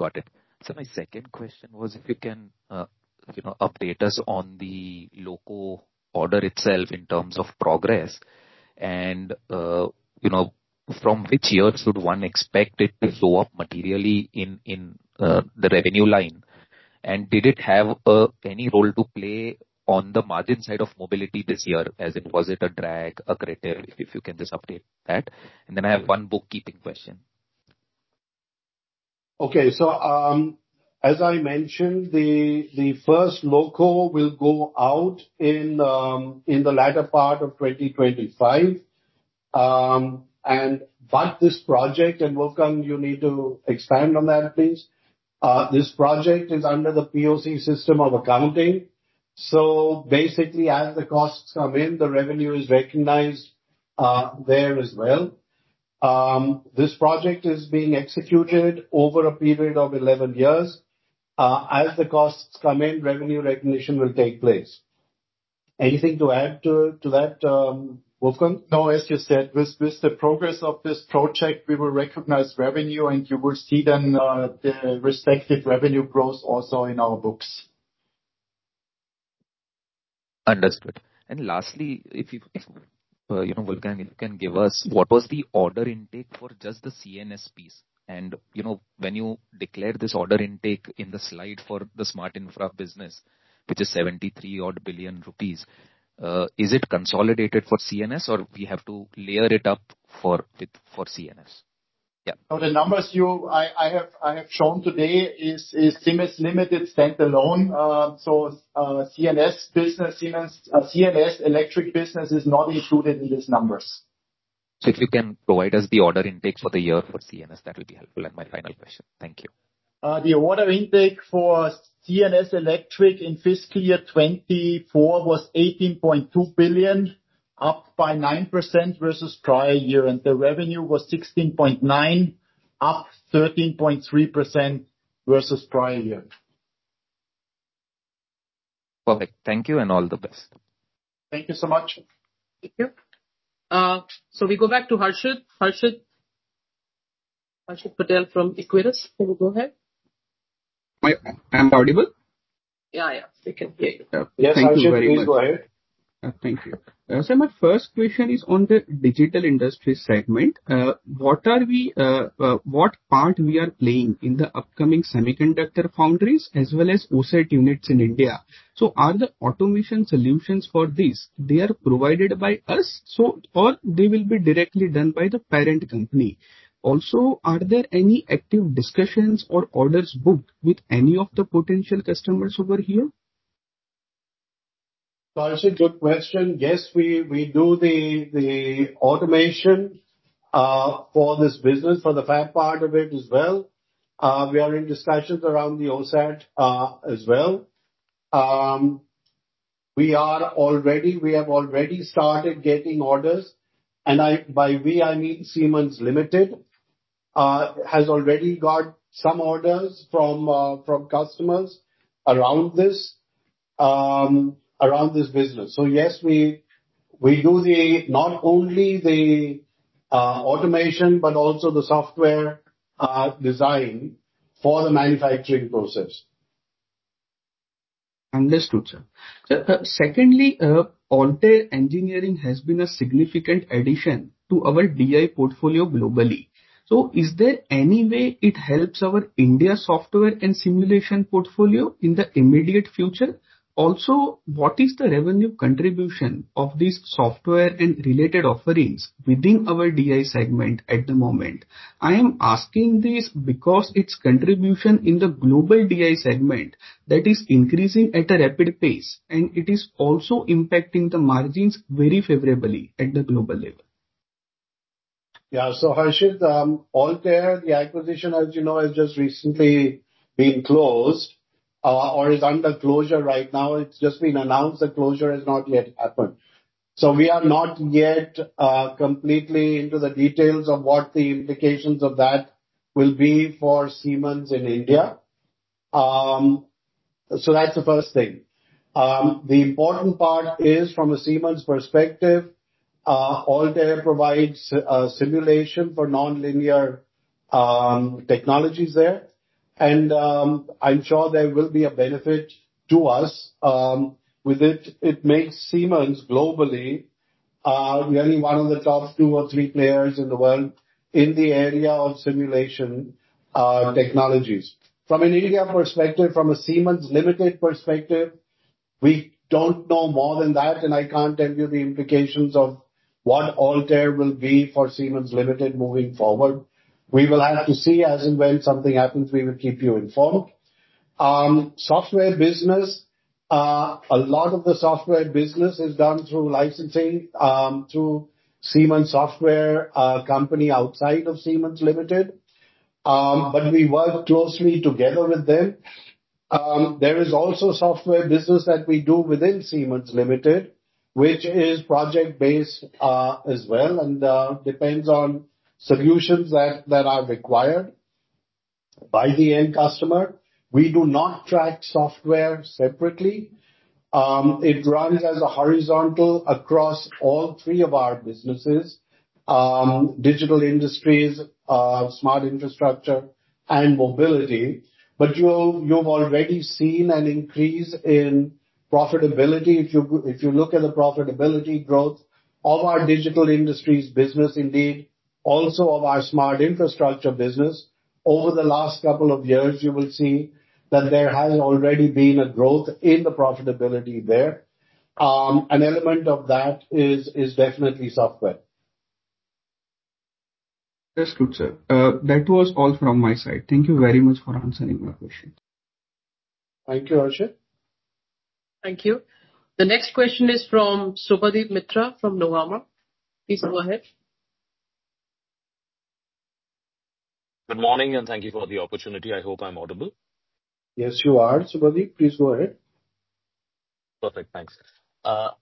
Got it. So my second question was if you can update us on the local order itself in terms of progress and from which years would one expect it to show up materially in the revenue line. And did it have any role to play on the margin side of mobility this year? As in, was it a drag, a criterion? If you can just update that. And then I have one bookkeeping question. Okay. So as I mentioned, the first local will go out in the latter part of 2025. But this project and Wolfgang, you need to expand on that, please. This project is under the POC system of accounting. So basically, as the costs come in, the revenue is recognized there as well. This project is being executed over a period of 11 years. As the costs come in, revenue recognition will take place. Anything to add to that, Wolfgang? No, as you said, with the progress of this project, we will recognize revenue, and you will see then the respective revenue growth also in our books. Understood. And lastly, if you, Wolfgang, can give us what was the order intake for just the CNS piece? And when you declared this order intake in the slide for the smart infra business, which is 73-odd billion rupees, is it consolidated for CNS, or we have to layer it up for CNS? Yeah. So the numbers I have shown today is Siemens Limited standalone. So CNS electric business is not included in these numbers. So if you can provide us the order intake for the year for CNS, that will be helpful. My final question. Thank you. The order intake for CNS Electric in fiscal year 2024 was 18.2 billion, up by 9% versus prior year. The revenue was 16.9 billion, up 13.3% versus prior year. Perfect. Thank you, and all the best. Thank you so much. Thank you. We go back to Harshit. Harshit Patel from Equirus. Can you go ahead? I'm audible? Yeah, yeah. We can hear you. Yes, I can hear you. Please go ahead. Thank you. My first question is on the Digital Industries segment. What part are we playing in the upcoming semiconductor foundries as well as OSAT units in India? Are the automation solutions for these provided by us, or will they be directly done by the parent company? Also, are there any active discussions or orders booked with any of the potential customers over here? Harshit, good question. Yes, we do the automation for this business, for the fab part of it as well. We are in discussions around the OSAT as well. We have already started getting orders. And by we, I mean Siemens Limited has already got some orders from customers around this business. So yes, we do not only the automation, but also the software design for the manufacturing process. Understood, sir. Secondly, Altair Engineering has been a significant addition to our DI portfolio globally. So is there any way it helps our India software and simulation portfolio in the immediate future? Also, what is the revenue contribution of these software and related offerings within our DI segment at the moment? I am asking this because its contribution in the global DI segment that is increasing at a rapid pace, and it is also impacting the margins very favorably at the global level. Yeah. So, Harshit, Altair, the acquisition, as you know, has just recently been closed or is under closure right now. It's just been announced. The closure has not yet happened. So we are not yet completely into the details of what the implications of that will be for Siemens in India. So that's the first thing. The important part is, from a Siemens perspective, Altair provides simulation for non-linear technologies there. And I'm sure there will be a benefit to us with it. It makes Siemens globally really one of the top two or three players in the world in the area of simulation technologies. From an India perspective, from a Siemens Limited perspective, we don't know more than that. And I can't tell you the implications of what Altair will be for Siemens Limited moving forward. We will have to see. As and when something happens, we will keep you informed. Software business, a lot of the software business is done through licensing through Siemens Software Company outside of Siemens Limited. But we work closely together with them. There is also software business that we do within Siemens Limited, which is project-based as well and depends on solutions that are required by the end customer. We do not track software separately. It runs as a horizontal across all three of our businesses: Digital Industries, Smart Infrastructure, and Mobility. But you've already seen an increase in profitability. If you look at the profitability growth of our Digital Industries business, indeed, also of our Smart Infrastructure business, over the last couple of years, you will see that there has already been a growth in the profitability there. An element of that is definitely software. That's good, sir. That was all from my side. Thank you very much for answering my question. Thank you, Harshit. Thank you. The next question is from Subhadip Mitra from Nuvama. Please go ahead. Good morning, and thank you for the opportunity. I hope I'm audible. Yes, you are, Subhadip. Please go ahead. Perfect. Thanks.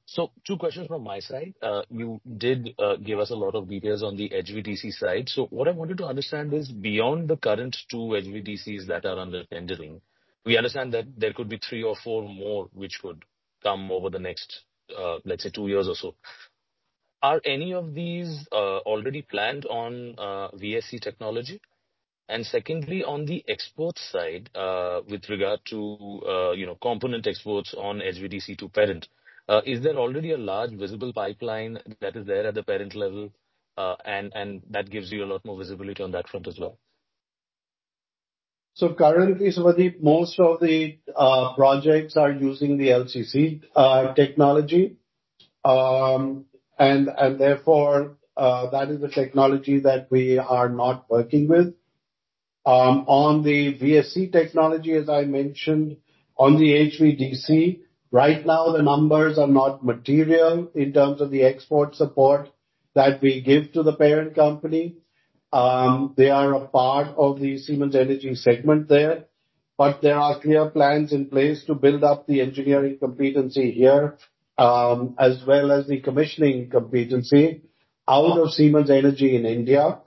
So two questions from my side. You did give us a lot of details on the HVDC side. So what I wanted to understand is, beyond the current two HVDCs that are under tendering, we understand that there could be three or four more which could come over the next, let's say, two years or so. Are any of these already planned on VSC technology? And secondly, on the export side with regard to component exports on HVDC to parent, is there already a large visible pipeline that is there at the parent level? And that gives you a lot more visibility on that front as well. So currently, Subhadip, most of the projects are using the LCC technology. And therefore, that is the technology that we are not working with. On the VSC technology, as I mentioned, on the HVDC, right now, the numbers are not material in terms of the export support that we give to the parent company. They are a part of the Siemens Energy segment there. But there are clear plans in place to build up the engineering competency here as well as the commissioning competency out of Siemens Energy in India.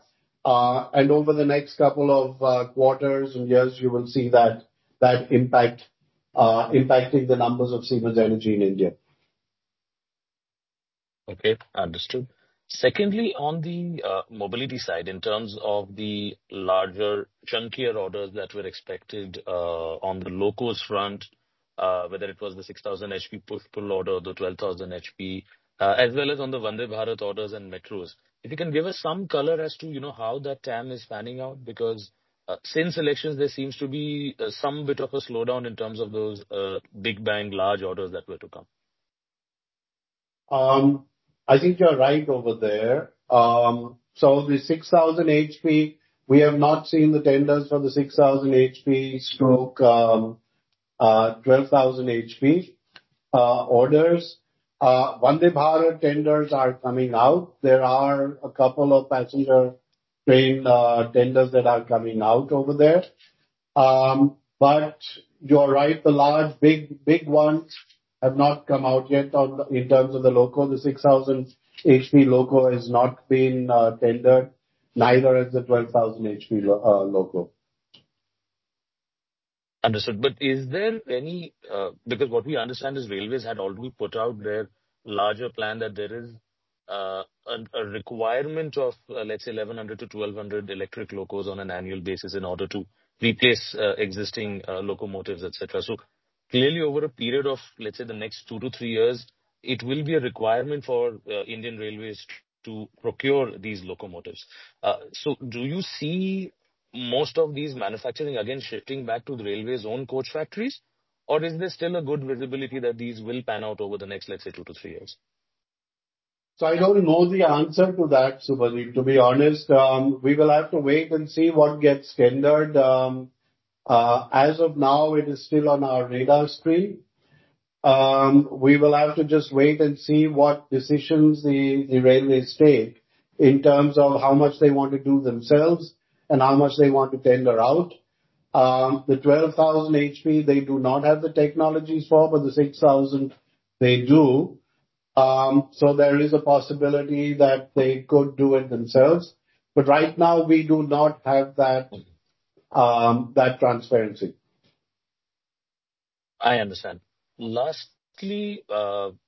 And over the next couple of quarters and years, you will see that impacting the numbers of Siemens Energy in India. Okay. Understood. Secondly, on the mobility side, in terms of the larger, chunkier orders that were expected on the low-cost front, whether it was the 6,000 HP push-pull order or the 12,000 HP, as well as on the Vande Bharat orders and metros, if you can give us some color as to how that TAM is panning out, because since elections, there seems to be some bit of a slowdown in terms of those big bang, large orders that were to come. I think you're right over there. So the 6,000 HP, we have not seen the tenders for the 6,000 HP or 12,000 HP orders. Vande Bharat tenders are coming out. There are a couple of passenger train tenders that are coming out over there. But you're right, the large big ones have not come out yet in terms of the local. The 6,000 HP local has not been tendered, neither has the 12,000 HP local. Understood. But is there any, because what we understand is Indian Railways had already put out their larger plan that there is a requirement of, let's say, 1,100-1,200 electric locals on an annual basis in order to replace existing locomotives, etc. So clearly, over a period of, let's say, the next two to three years, it will be a requirement for Indian Railways to procure these locomotives. So do you see most of these manufacturing, again, shifting back to the railways' own coach factories? Or is there still a good visibility that these will pan out over the next, let's say, two to three years? So I don't know the answer to that, Subhadip. To be honest, we will have to wait and see what gets tendered. As of now, it is still on our radar screen. We will have to just wait and see what decisions the railways take in terms of how much they want to do themselves and how much they want to tender out. The 12,000 HP, they do not have the technologies for, but the 6,000, they do. So there is a possibility that they could do it themselves. But right now, we do not have that transparency. I understand. Lastly, on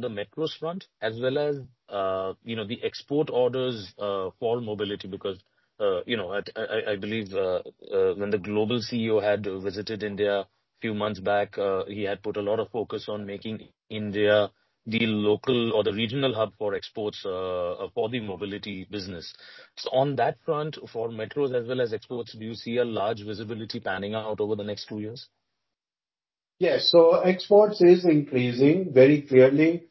the metros front, as well as the export orders for mobility, because I believe when the global CEO had visited India a few months back, he had put a lot of focus on making India the local or the regional hub for exports for the mobility business. So on that front, for metros as well as exports, do you see a large visibility panning out over the next two years? Yes. So exports is increasing very clearly.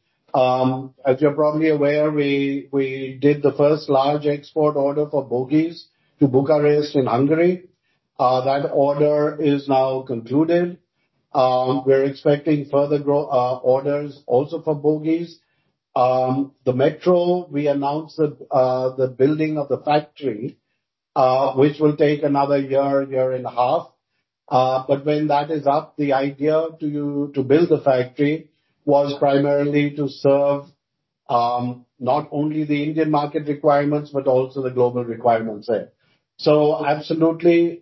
As you're probably aware, we did the first large export order for bogies to Bucharest in Hungary. That order is now concluded. We're expecting further orders also for bogies. The metro, we announced the building of the factory, which will take another year, year and a half. But when that is up, the idea to build the factory was primarily to serve not only the Indian market requirements, but also the global requirements there. So absolutely,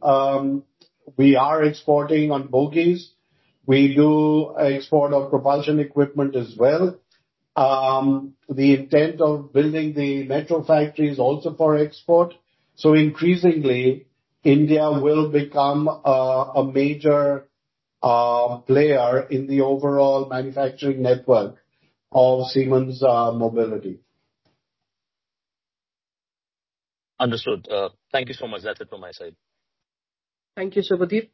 we are exporting on bogies. We do export our propulsion equipment as well. The intent of building the metro factory is also for export. So increasingly, India will become a major player in the overall manufacturing network of Siemens Mobility. Understood. Thank you so much. That's it from my side. Thank you, Subhadip.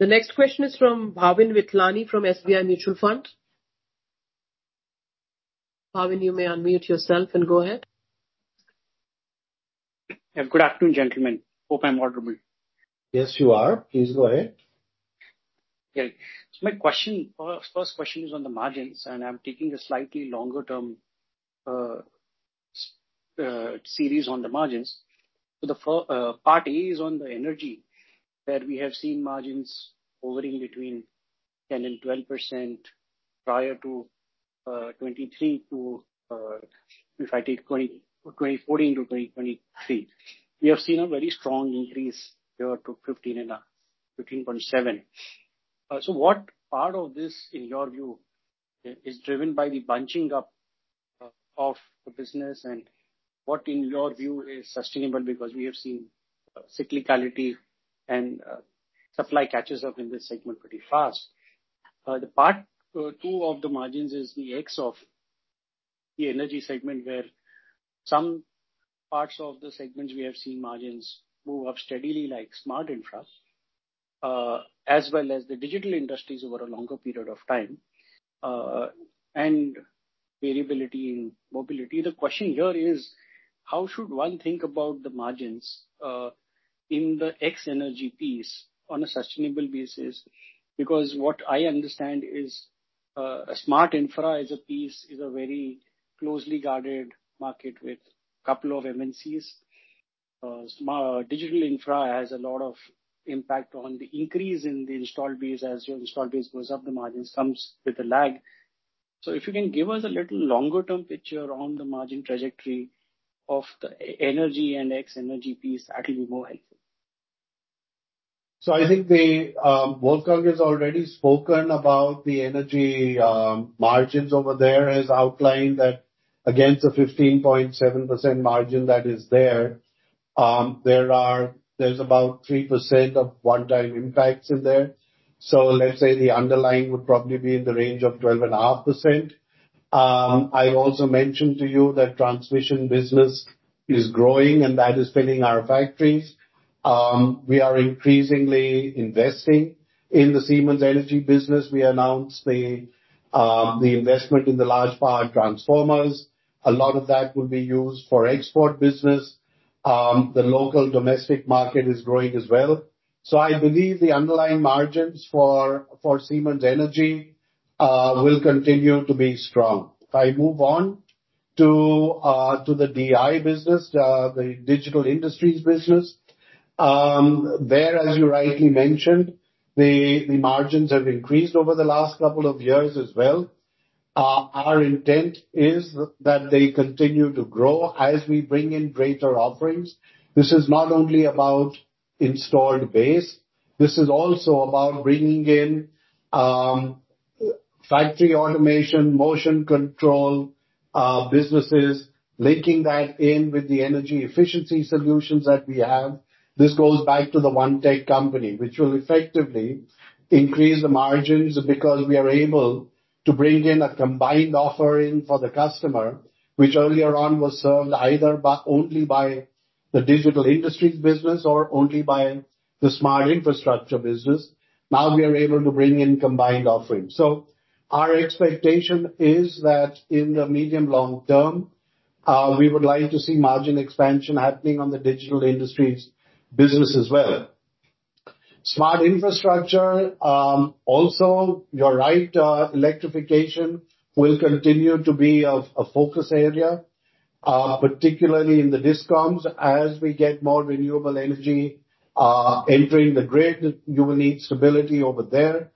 The next question is from Bhavin Vithlani from SBI Mutual Fund. Bhavin, you may unmute yourself and go ahead. Good afternoon, gentlemen. Hope I'm audible. Yes, you are. Please go ahead. Okay. So my question, first question is on the margins, and I'm taking a slightly longer-term series on the margins. So the part A is on the energy, where we have seen margins hovering between 10% and 12% prior to 2023 to, if I take 2014 to 2023. We have seen a very strong increase here to 15 and a half, 15.7. So what part of this, in your view, is driven by the bunching up of the business, and what, in your view, is sustainable? Because we have seen cyclicality and supply catches up in this segment pretty fast. The part two of the margins is the ex-energy segment, where some parts of the segments we have seen margins move up steadily, like Smart Infrastructure, as well as the Digital Industries over a longer period of time, and variability in Mobility. The question here is, how should one think about the margins in the ex-energy piece on a sustainable basis? Because what I understand is Smart Infrastructure is a piece is a very closely guarded market with a couple of MNCs. Digital Industries has a lot of impact on the increase in the installed base. As your installed base goes up, the margins come with a lag. So if you can give us a little longer-term picture on the margin trajectory of the energy and ex-energy piece, that will be more helpful. So I think the Wolfgang has already spoken about the energy margins over there as outlined that against the 15.7% margin that is there, there's about 3% of one-time impacts in there. So let's say the underlying would probably be in the range of 12.5%. I also mentioned to you that transmission business is growing, and that is filling our factories. We are increasingly investing in the Siemens Energy business. We announced the investment in the large-power transformers. A lot of that will be used for export business. The local domestic market is growing as well. So I believe the underlying margins for Siemens Energy will continue to be strong. If I move on to the DI business, the digital industries business, there, as you rightly mentioned, the margins have increased over the last couple of years as well. Our intent is that they continue to grow as we bring in greater offerings. This is not only about installed base. This is also about bringing in factory automation, motion control businesses, linking that in with the energy efficiency solutions that we have. This goes back to the one tech company, which will effectively increase the margins because we are able to bring in a combined offering for the customer, which earlier on was served either only by the Digital Industries business or only by the Smart Infrastructure business. Now we are able to bring in combined offerings. So our expectation is that in the medium-long term, we would like to see margin expansion happening on the Digital Industries business as well. Smart Infrastructure, also, you're right, electrification will continue to be a focus area, particularly in the discoms as we get more renewable energy entering the grid. You will need stability over there.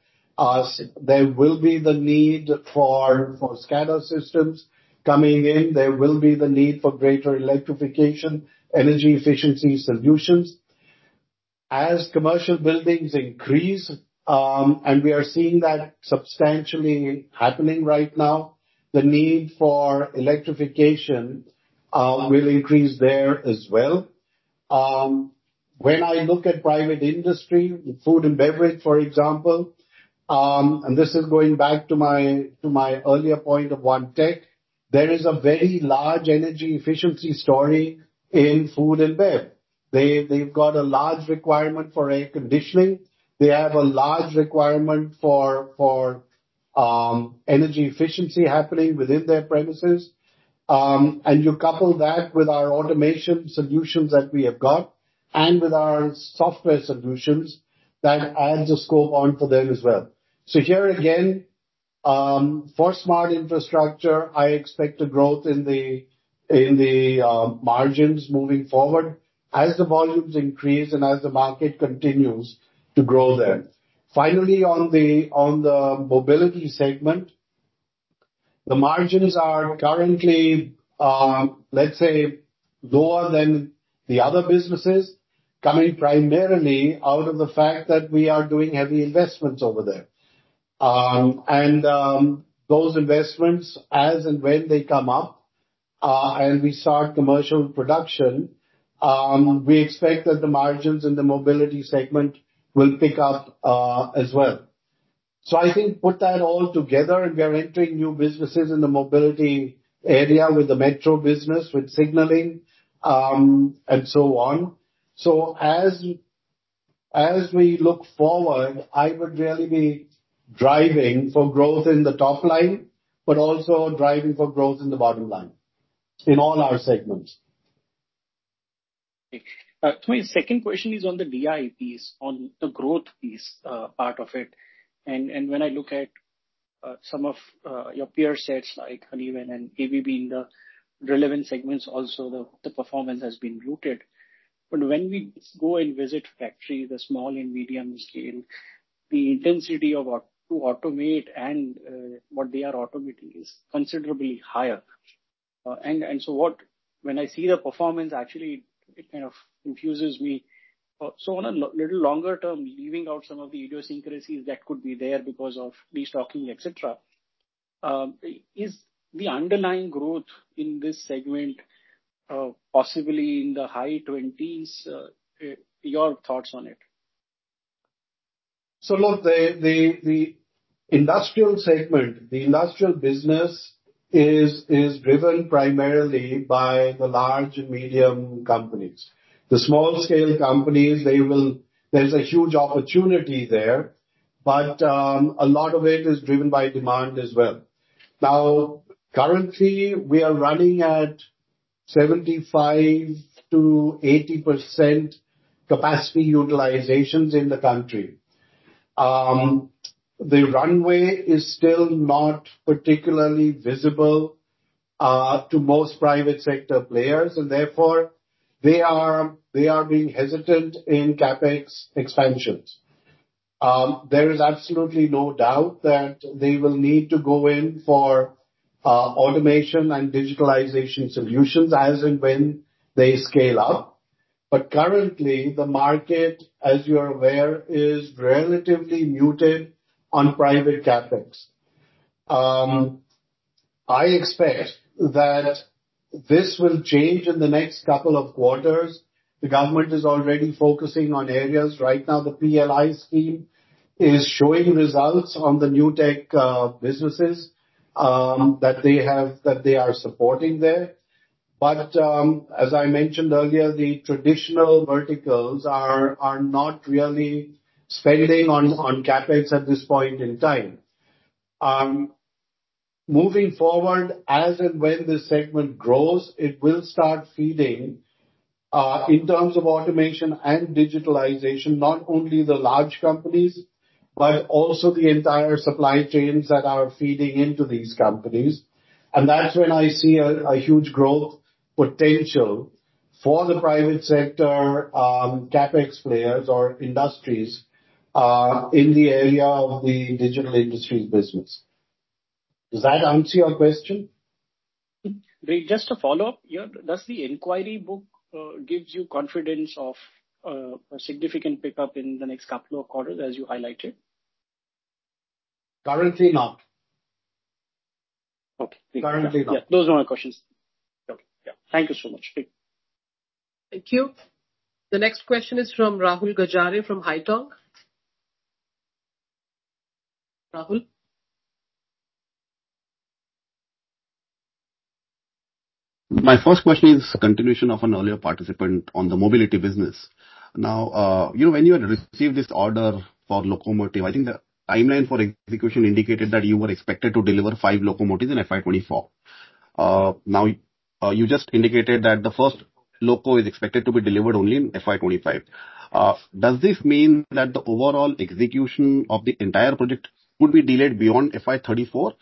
There will be the need for SCADA systems coming in. There will be the need for greater electrification, energy efficiency solutions. As commercial buildings increase, and we are seeing that substantially happening right now, the need for electrification will increase there as well. When I look at private industry, food and beverage, for example, and this is going back to my earlier point of one tech, there is a very large energy efficiency story in food and beverage. They've got a large requirement for air conditioning. They have a large requirement for energy efficiency happening within their premises. And you couple that with our automation solutions that we have got and with our software solutions, that adds a scope on for them as well. So here again, for smart infrastructure, I expect a growth in the margins moving forward as the volumes increase and as the market continues to grow there. Finally, on the mobility segment, the margins are currently, let's say, lower than the other businesses, coming primarily out of the fact that we are doing heavy investments over there. And those investments, as and when they come up and we start commercial production, we expect that the margins in the mobility segment will pick up as well. So I think put that all together, and we are entering new businesses in the mobility area with the metro business, with signaling, and so on. So as we look forward, I would really be driving for growth in the top line, but also driving for growth in the bottom line in all our segments. Okay. My second question is on the DI piece, on the growth piece part of it. And when I look at some of your peer sets like Honeywell and ABB in the relevant segments, also the performance has been muted. But when we go and visit factories, the small and medium scale, the intensity of what to automate and what they are automating is considerably higher. And so when I see the performance, actually, it kind of confuses me. So on a little longer term, leaving out some of the idiosyncrasies that could be there because of these lockdowns, etc., is the underlying growth in this segment possibly in the high 20s? Your thoughts on it? So look, the industrial segment, the industrial business is driven primarily by the large and medium companies. The small-scale companies, there's a huge opportunity there, but a lot of it is driven by demand as well. Now, currently, we are running at 75%-80% capacity utilizations in the country. The runway is still not particularly visible to most private sector players, and therefore, they are being hesitant in CAPEX expansions. There is absolutely no doubt that they will need to go in for automation and digitalization solutions as and when they scale up. But currently, the market, as you're aware, is relatively muted on private CAPEX. I expect that this will change in the next couple of quarters. The government is already focusing on areas. Right now, the PLI scheme is showing results on the new tech businesses that they are supporting there. But as I mentioned earlier, the traditional verticals are not really spending on CAPEX at this point in time. Moving forward, as and when this segment grows, it will start feeding in terms of automation and digitalization, not only the large companies, but also the entire supply chains that are feeding into these companies. And that's when I see a huge growth potential for the private sector CAPEX players or industries in the area of the digital industries business. Does that answer your question? Just to follow up, does the inquiry book give you confidence of a significant pickup in the next couple of quarters, as you highlighted? Currently, not. Okay. Currently, not. Yeah. Those are my questions. Okay. Yeah. Thank you so much. Thank you. The next question is from Rahul Gajare from Haitong. Rahul? My first question is a continuation of an earlier participant on the mobility business. Now, when you had received this order for locomotive, I think the timeline for execution indicated that you were expected to deliver five locomotives in FY24. Now, you just indicated that the first loco is expected to be delivered only in FY25. Does this mean that the overall execution of the entire project could be delayed beyond FY34,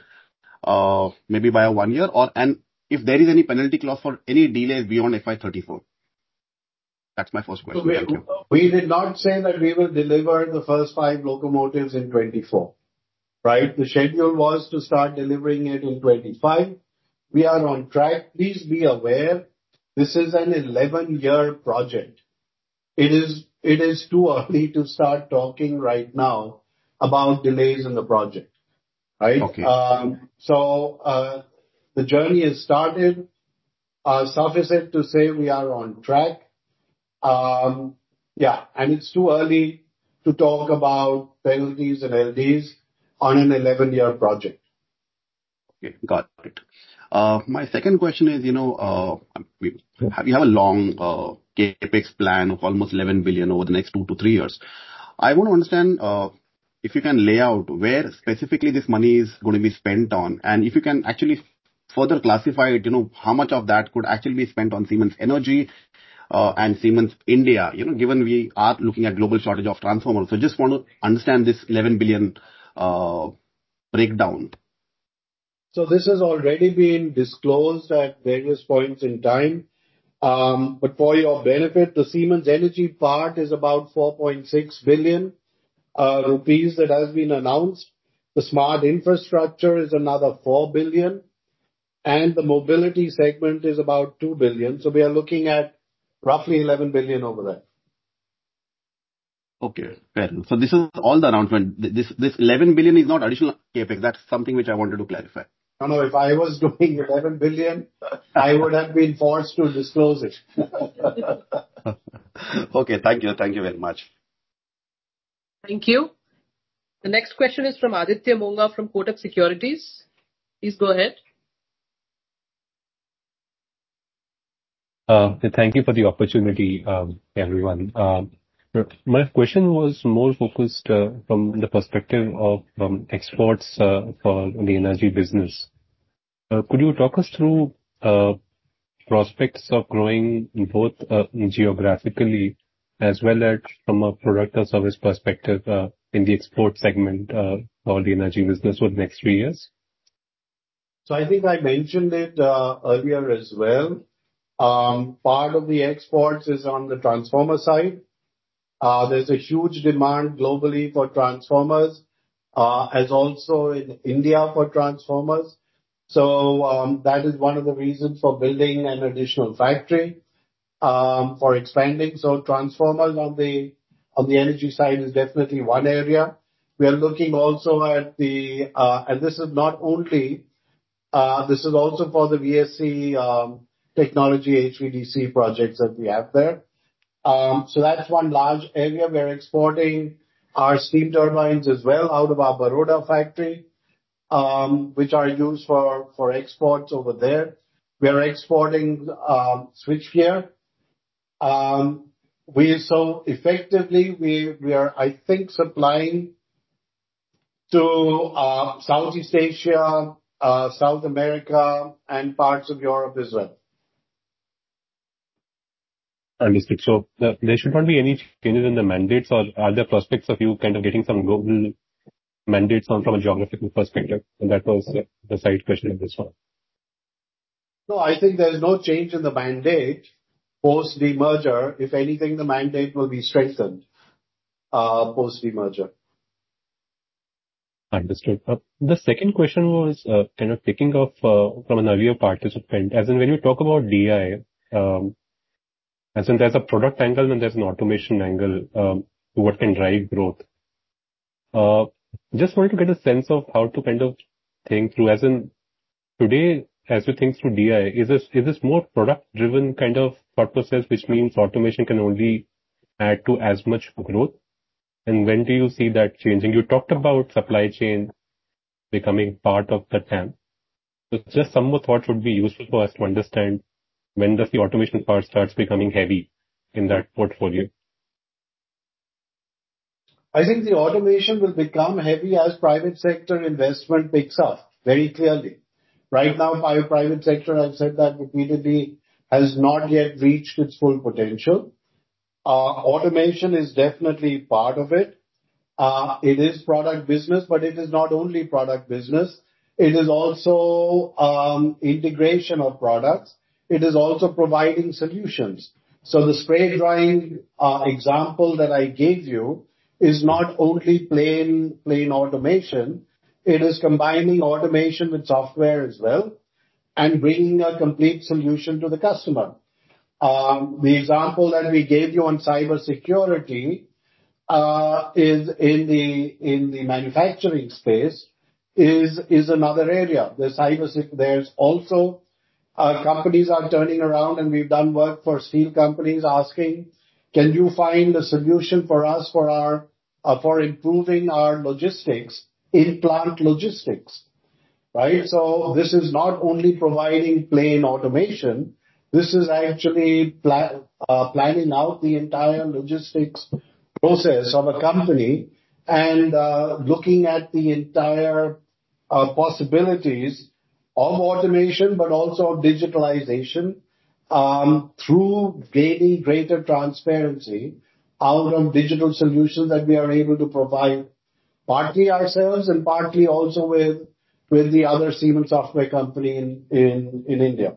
maybe by one year? And if there is any penalty clause for any delay beyond FY34? That's my first question. We did not say that we will deliver the first five locomotives in 24, right? The schedule was to start delivering it in 25. We are on track. Please be aware, this is an 11-year project. It is too early to start talking right now about delays in the project, right? So the journey has started. Suffice it to say we are on track. Yeah. And it's too early to talk about penalties and LDs on an 11-year project. Okay. Got it. My second question is, you have a long CapEx plan of almost 11 billion over the next two to three years. I want to understand if you can lay out where specifically this money is going to be spent on, and if you can actually further classify it, how much of that could actually be spent on Siemens Energy and Siemens India, given we are looking at global shortage of transformers. So just want to understand this 11 billion breakdown. So this has already been disclosed at various points in time. But for your benefit, the Siemens Energy part is about 4.6 billion rupees that has been announced. The smart infrastructure is another 4 billion, and the mobility segment is about 2 billion. So we are looking at roughly 11 billion over there. Okay. So this is all the announcement. This 11 billion is not additional CAPEX. That's something which I wanted to clarify. No, no. If I was doing 11 billion, I would have been forced to disclose it. Okay. Thank you. Thank you very much. Thank you. The next question is from Aditya Mongia from Kotak Securities. Please go ahead. Thank you for the opportunity, everyone. My question was more focused from the perspective of exports for the energy business. Could you talk us through prospects of growing both geographically as well as from a product or service perspective in the export segment for the energy business for the next three years? So I think I mentioned it earlier as well. Part of the exports is on the transformer side. There's a huge demand globally for transformers, as also in India for transformers. So that is one of the reasons for building an additional factory for expanding. So transformers on the energy side is definitely one area. We are looking also at the, and this is not only, this is also for the VSC technology HVDC projects that we have there. So that's one large area. We're exporting our steam turbines as well out of our Baroda factory, which are used for exports over there. We are exporting switchgear. So effectively, we are, I think, supplying to Southeast Asia, South America, and parts of Europe as well. Understood. So there should not be any changes in the mandates, or are there prospects of you kind of getting some global mandates from a geographical perspective? And that was the side question of this one. No, I think there's no change in the mandate post-demerger. If anything, the mandate will be strengthened post-demerger. Understood. The second question was kind of picking off from an earlier participant. As in, when you talk about DI, as in there's a product angle and there's an automation angle, what can drive growth? Just wanted to get a sense of how to kind of think through. As in today, as we think through DI, is this more product-driven kind of purposes, which means automation can only add to as much growth? And when do you see that changing? You talked about supply chain becoming part of the TAM. So just some more thoughts would be useful for us to understand when does the automation part start becoming heavy in that portfolio? I think the automation will become heavy as private sector investment picks up very clearly. Right now, private sector, I've said that repeatedly, has not yet reached its full potential. Automation is definitely part of it. It is product business, but it is not only product business. It is also integration of products. It is also providing solutions. So the spray drying example that I gave you is not only plain automation. It is combining automation with software as well and bringing a complete solution to the customer. The example that we gave you on cybersecurity in the manufacturing space is another area. There's also companies are turning around, and we've done work for steel companies asking, "Can you find a solution for us for improving our logistics in plant logistics?" Right? So this is not only providing plain automation. This is actually planning out the entire logistics process of a company and looking at the entire possibilities of automation, but also of digitalization through gaining greater transparency out of digital solutions that we are able to provide partly ourselves and partly also with the other Siemens software company in India.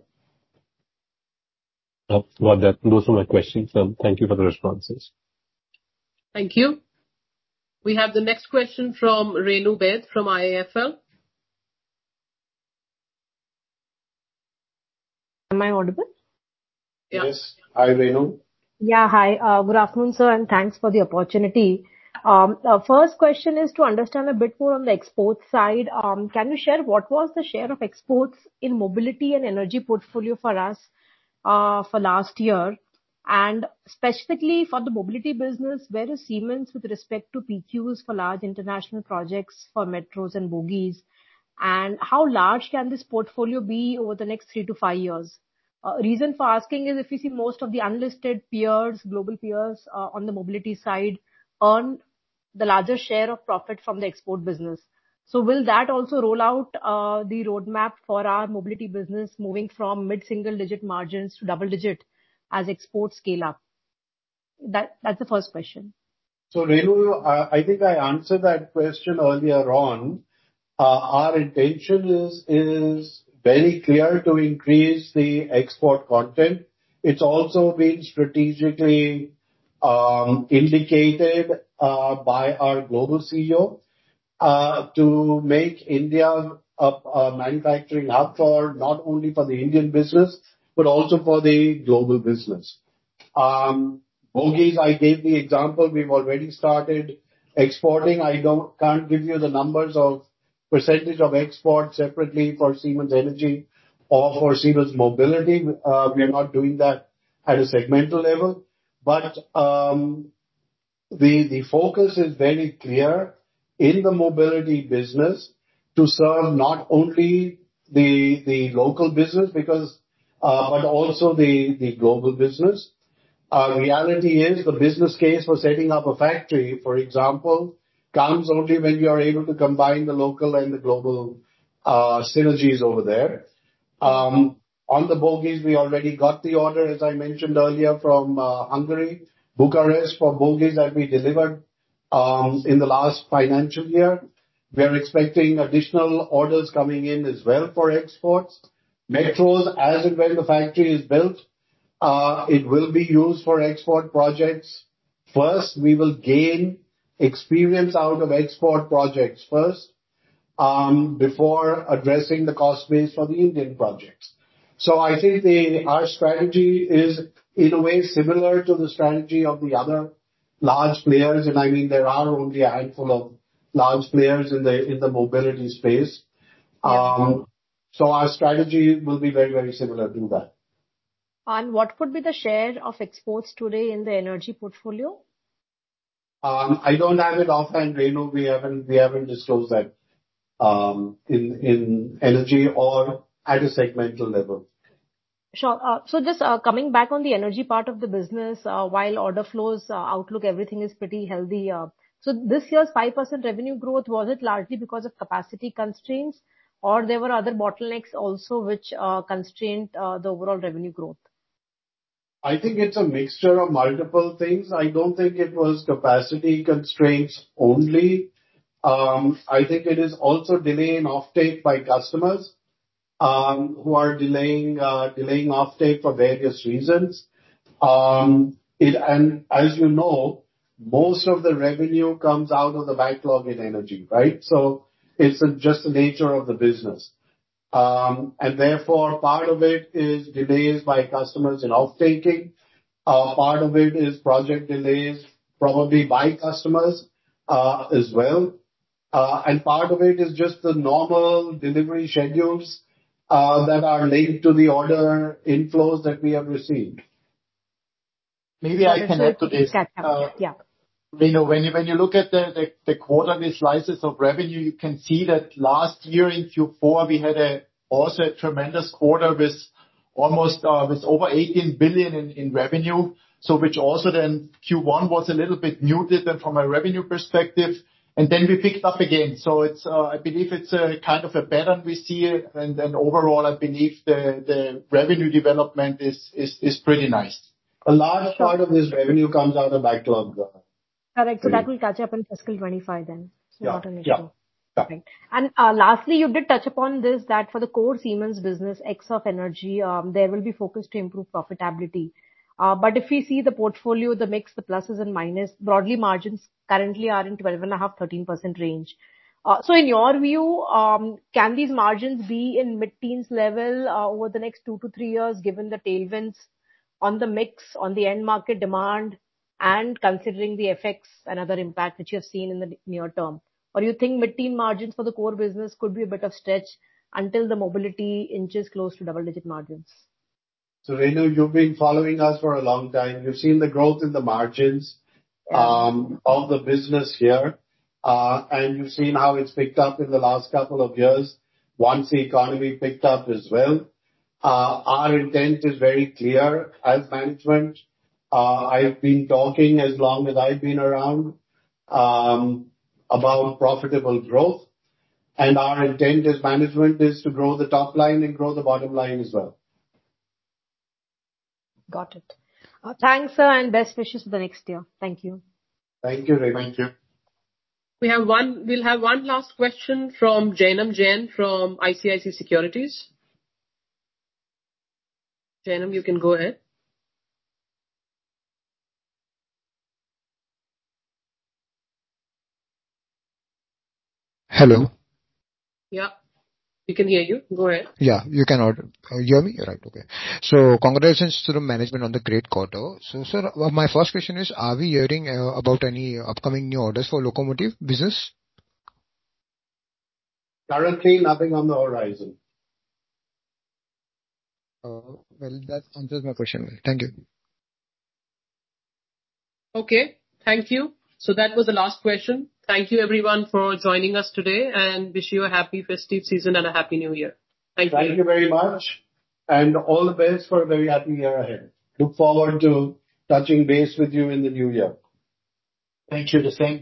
Got that. Those are my questions. Thank you for the responses. Thank you. We have the next question from Renu Baid from IIFL. Am I audible? Yes. Hi, Renu. Yeah, hi. Good afternoon, sir, and thanks for the opportunity. First question is to understand a bit more on the export side. Can you share what was the share of exports in mobility and energy portfolio for us for last year? And specifically for the mobility business, where is Siemens with respect to PQs for large international projects for metros and bogies And how large can this portfolio be over the next three to five years? Reason for asking is if you see most of the unlisted peers, global peers on the mobility side earn the larger share of profit from the export business. So will that also roll out the roadmap for our mobility business moving from mid-single-digit margins to double-digit as exports scale up? That's the first question. So Renu, I think I answered that question earlier on. Our intention is very clear to increase the export content. It's also been strategically indicated by our global CEO to make India a manufacturing hub for not only the Indian business, but also for the global business. Bogies, I gave the example. We've already started exporting. I can't give you the numbers of percentage of exports separately for Siemens Energy or for Siemens Mobility. We are not doing that at a segmental level. But the focus is very clear in the mobility business to serve not only the local business, but also the global business. Reality is the business case for setting up a factory, for example, comes only when you are able to combine the local and the global synergies over there. On the bogies, we already got the order, as I mentioned earlier, from Hungary, Bucharest for bogies that we delivered in the last financial year. We are expecting additional orders coming in as well for exports. Metros, as in when the factory is built, it will be used for export projects. First, we will gain experience out of export projects first before addressing the cost base for the Indian projects. So I think our strategy is, in a way, similar to the strategy of the other large players. I mean, there are only a handful of large players in the mobility space. So our strategy will be very, very similar to that. And what would be the share of exports today in the energy portfolio? I don't have it offhand, Renu. We haven't disclosed that in energy or at a segmental level. Sure. So just coming back on the energy part of the business, while order flows, outlook, everything is pretty healthy. So this year's 5% revenue growth, was it largely because of capacity constraints? Or there were other bottlenecks also which constrained the overall revenue growth? I think it's a mixture of multiple things. I don't think it was capacity constraints only. I think it is also delay in offtake by customers who are delaying offtake for various reasons. And as you know, most of the revenue comes out of the backlog in energy, right? It's just the nature of the business. And therefore, part of it is delays by customers in offtaking. Part of it is project delays, probably by customers as well. And part of it is just the normal delivery schedules that are linked to the order inflows that we have received. Maybe I can add to this. Renu, when you look at the quarterly slices of revenue, you can see that last year in Q4, we had also a tremendous quarter with almost over 18 billion in revenue, which also then Q1 was a little bit muted from a revenue perspective. And then we picked up again. So I believe it's kind of a pattern we see. And overall, I believe the revenue development is pretty nice. A large part of this revenue comes out of backlog. Correct. So that will catch up in fiscal 2025 then. So not an issue. Yeah. And lastly, you did touch upon this that for the core Siemens business, ex-Energy, there will be focus to improve profitability. But if we see the portfolio, the mix, the pluses and minuses, broadly margins currently are in 12.5%-13% range. So in your view, can these margins be in mid-teens level over the next two to three years, given the tailwinds on the mix, on the end market demand, and considering the effects and other impact that you have seen in the near term? Or you think mid-teens margins for the core business could be a bit of stretch until the mobility inches close to double-digit margins? So Renu, you've been following us for a long time. You've seen the growth in the margins of the business here. And you've seen how it's picked up in the last couple of years once the economy picked up as well. Our intent is very clear as management. I've been talking as long as I've been around about profitable growth. And our intent as management is to grow the top line and grow the bottom line as well. Got it. Thanks, sir, and best wishes for the next year. Thank you. Thank you, Renu. Thank you. We'll have one last question from Janam Jain from ICICI Securities. Janam, you can go ahead. Hello. Yeah. We can hear you. Go ahead. Yeah. You can hear me? Right. Okay. So congratulations to the management on the great quarter. So sir, my first question is, are we hearing about any upcoming new orders for locomotive business? Currently, nothing on the horizon. Well, that answers my question. Thank you. Okay. Thank you. So that was the last question. Thank you, everyone, for joining us today and wish you a happy festive season and a happy new year. Thank you. Thank you very much. And all the best for a very happy year ahead. Look forward to touching base with you in the new year. Thank you. The same.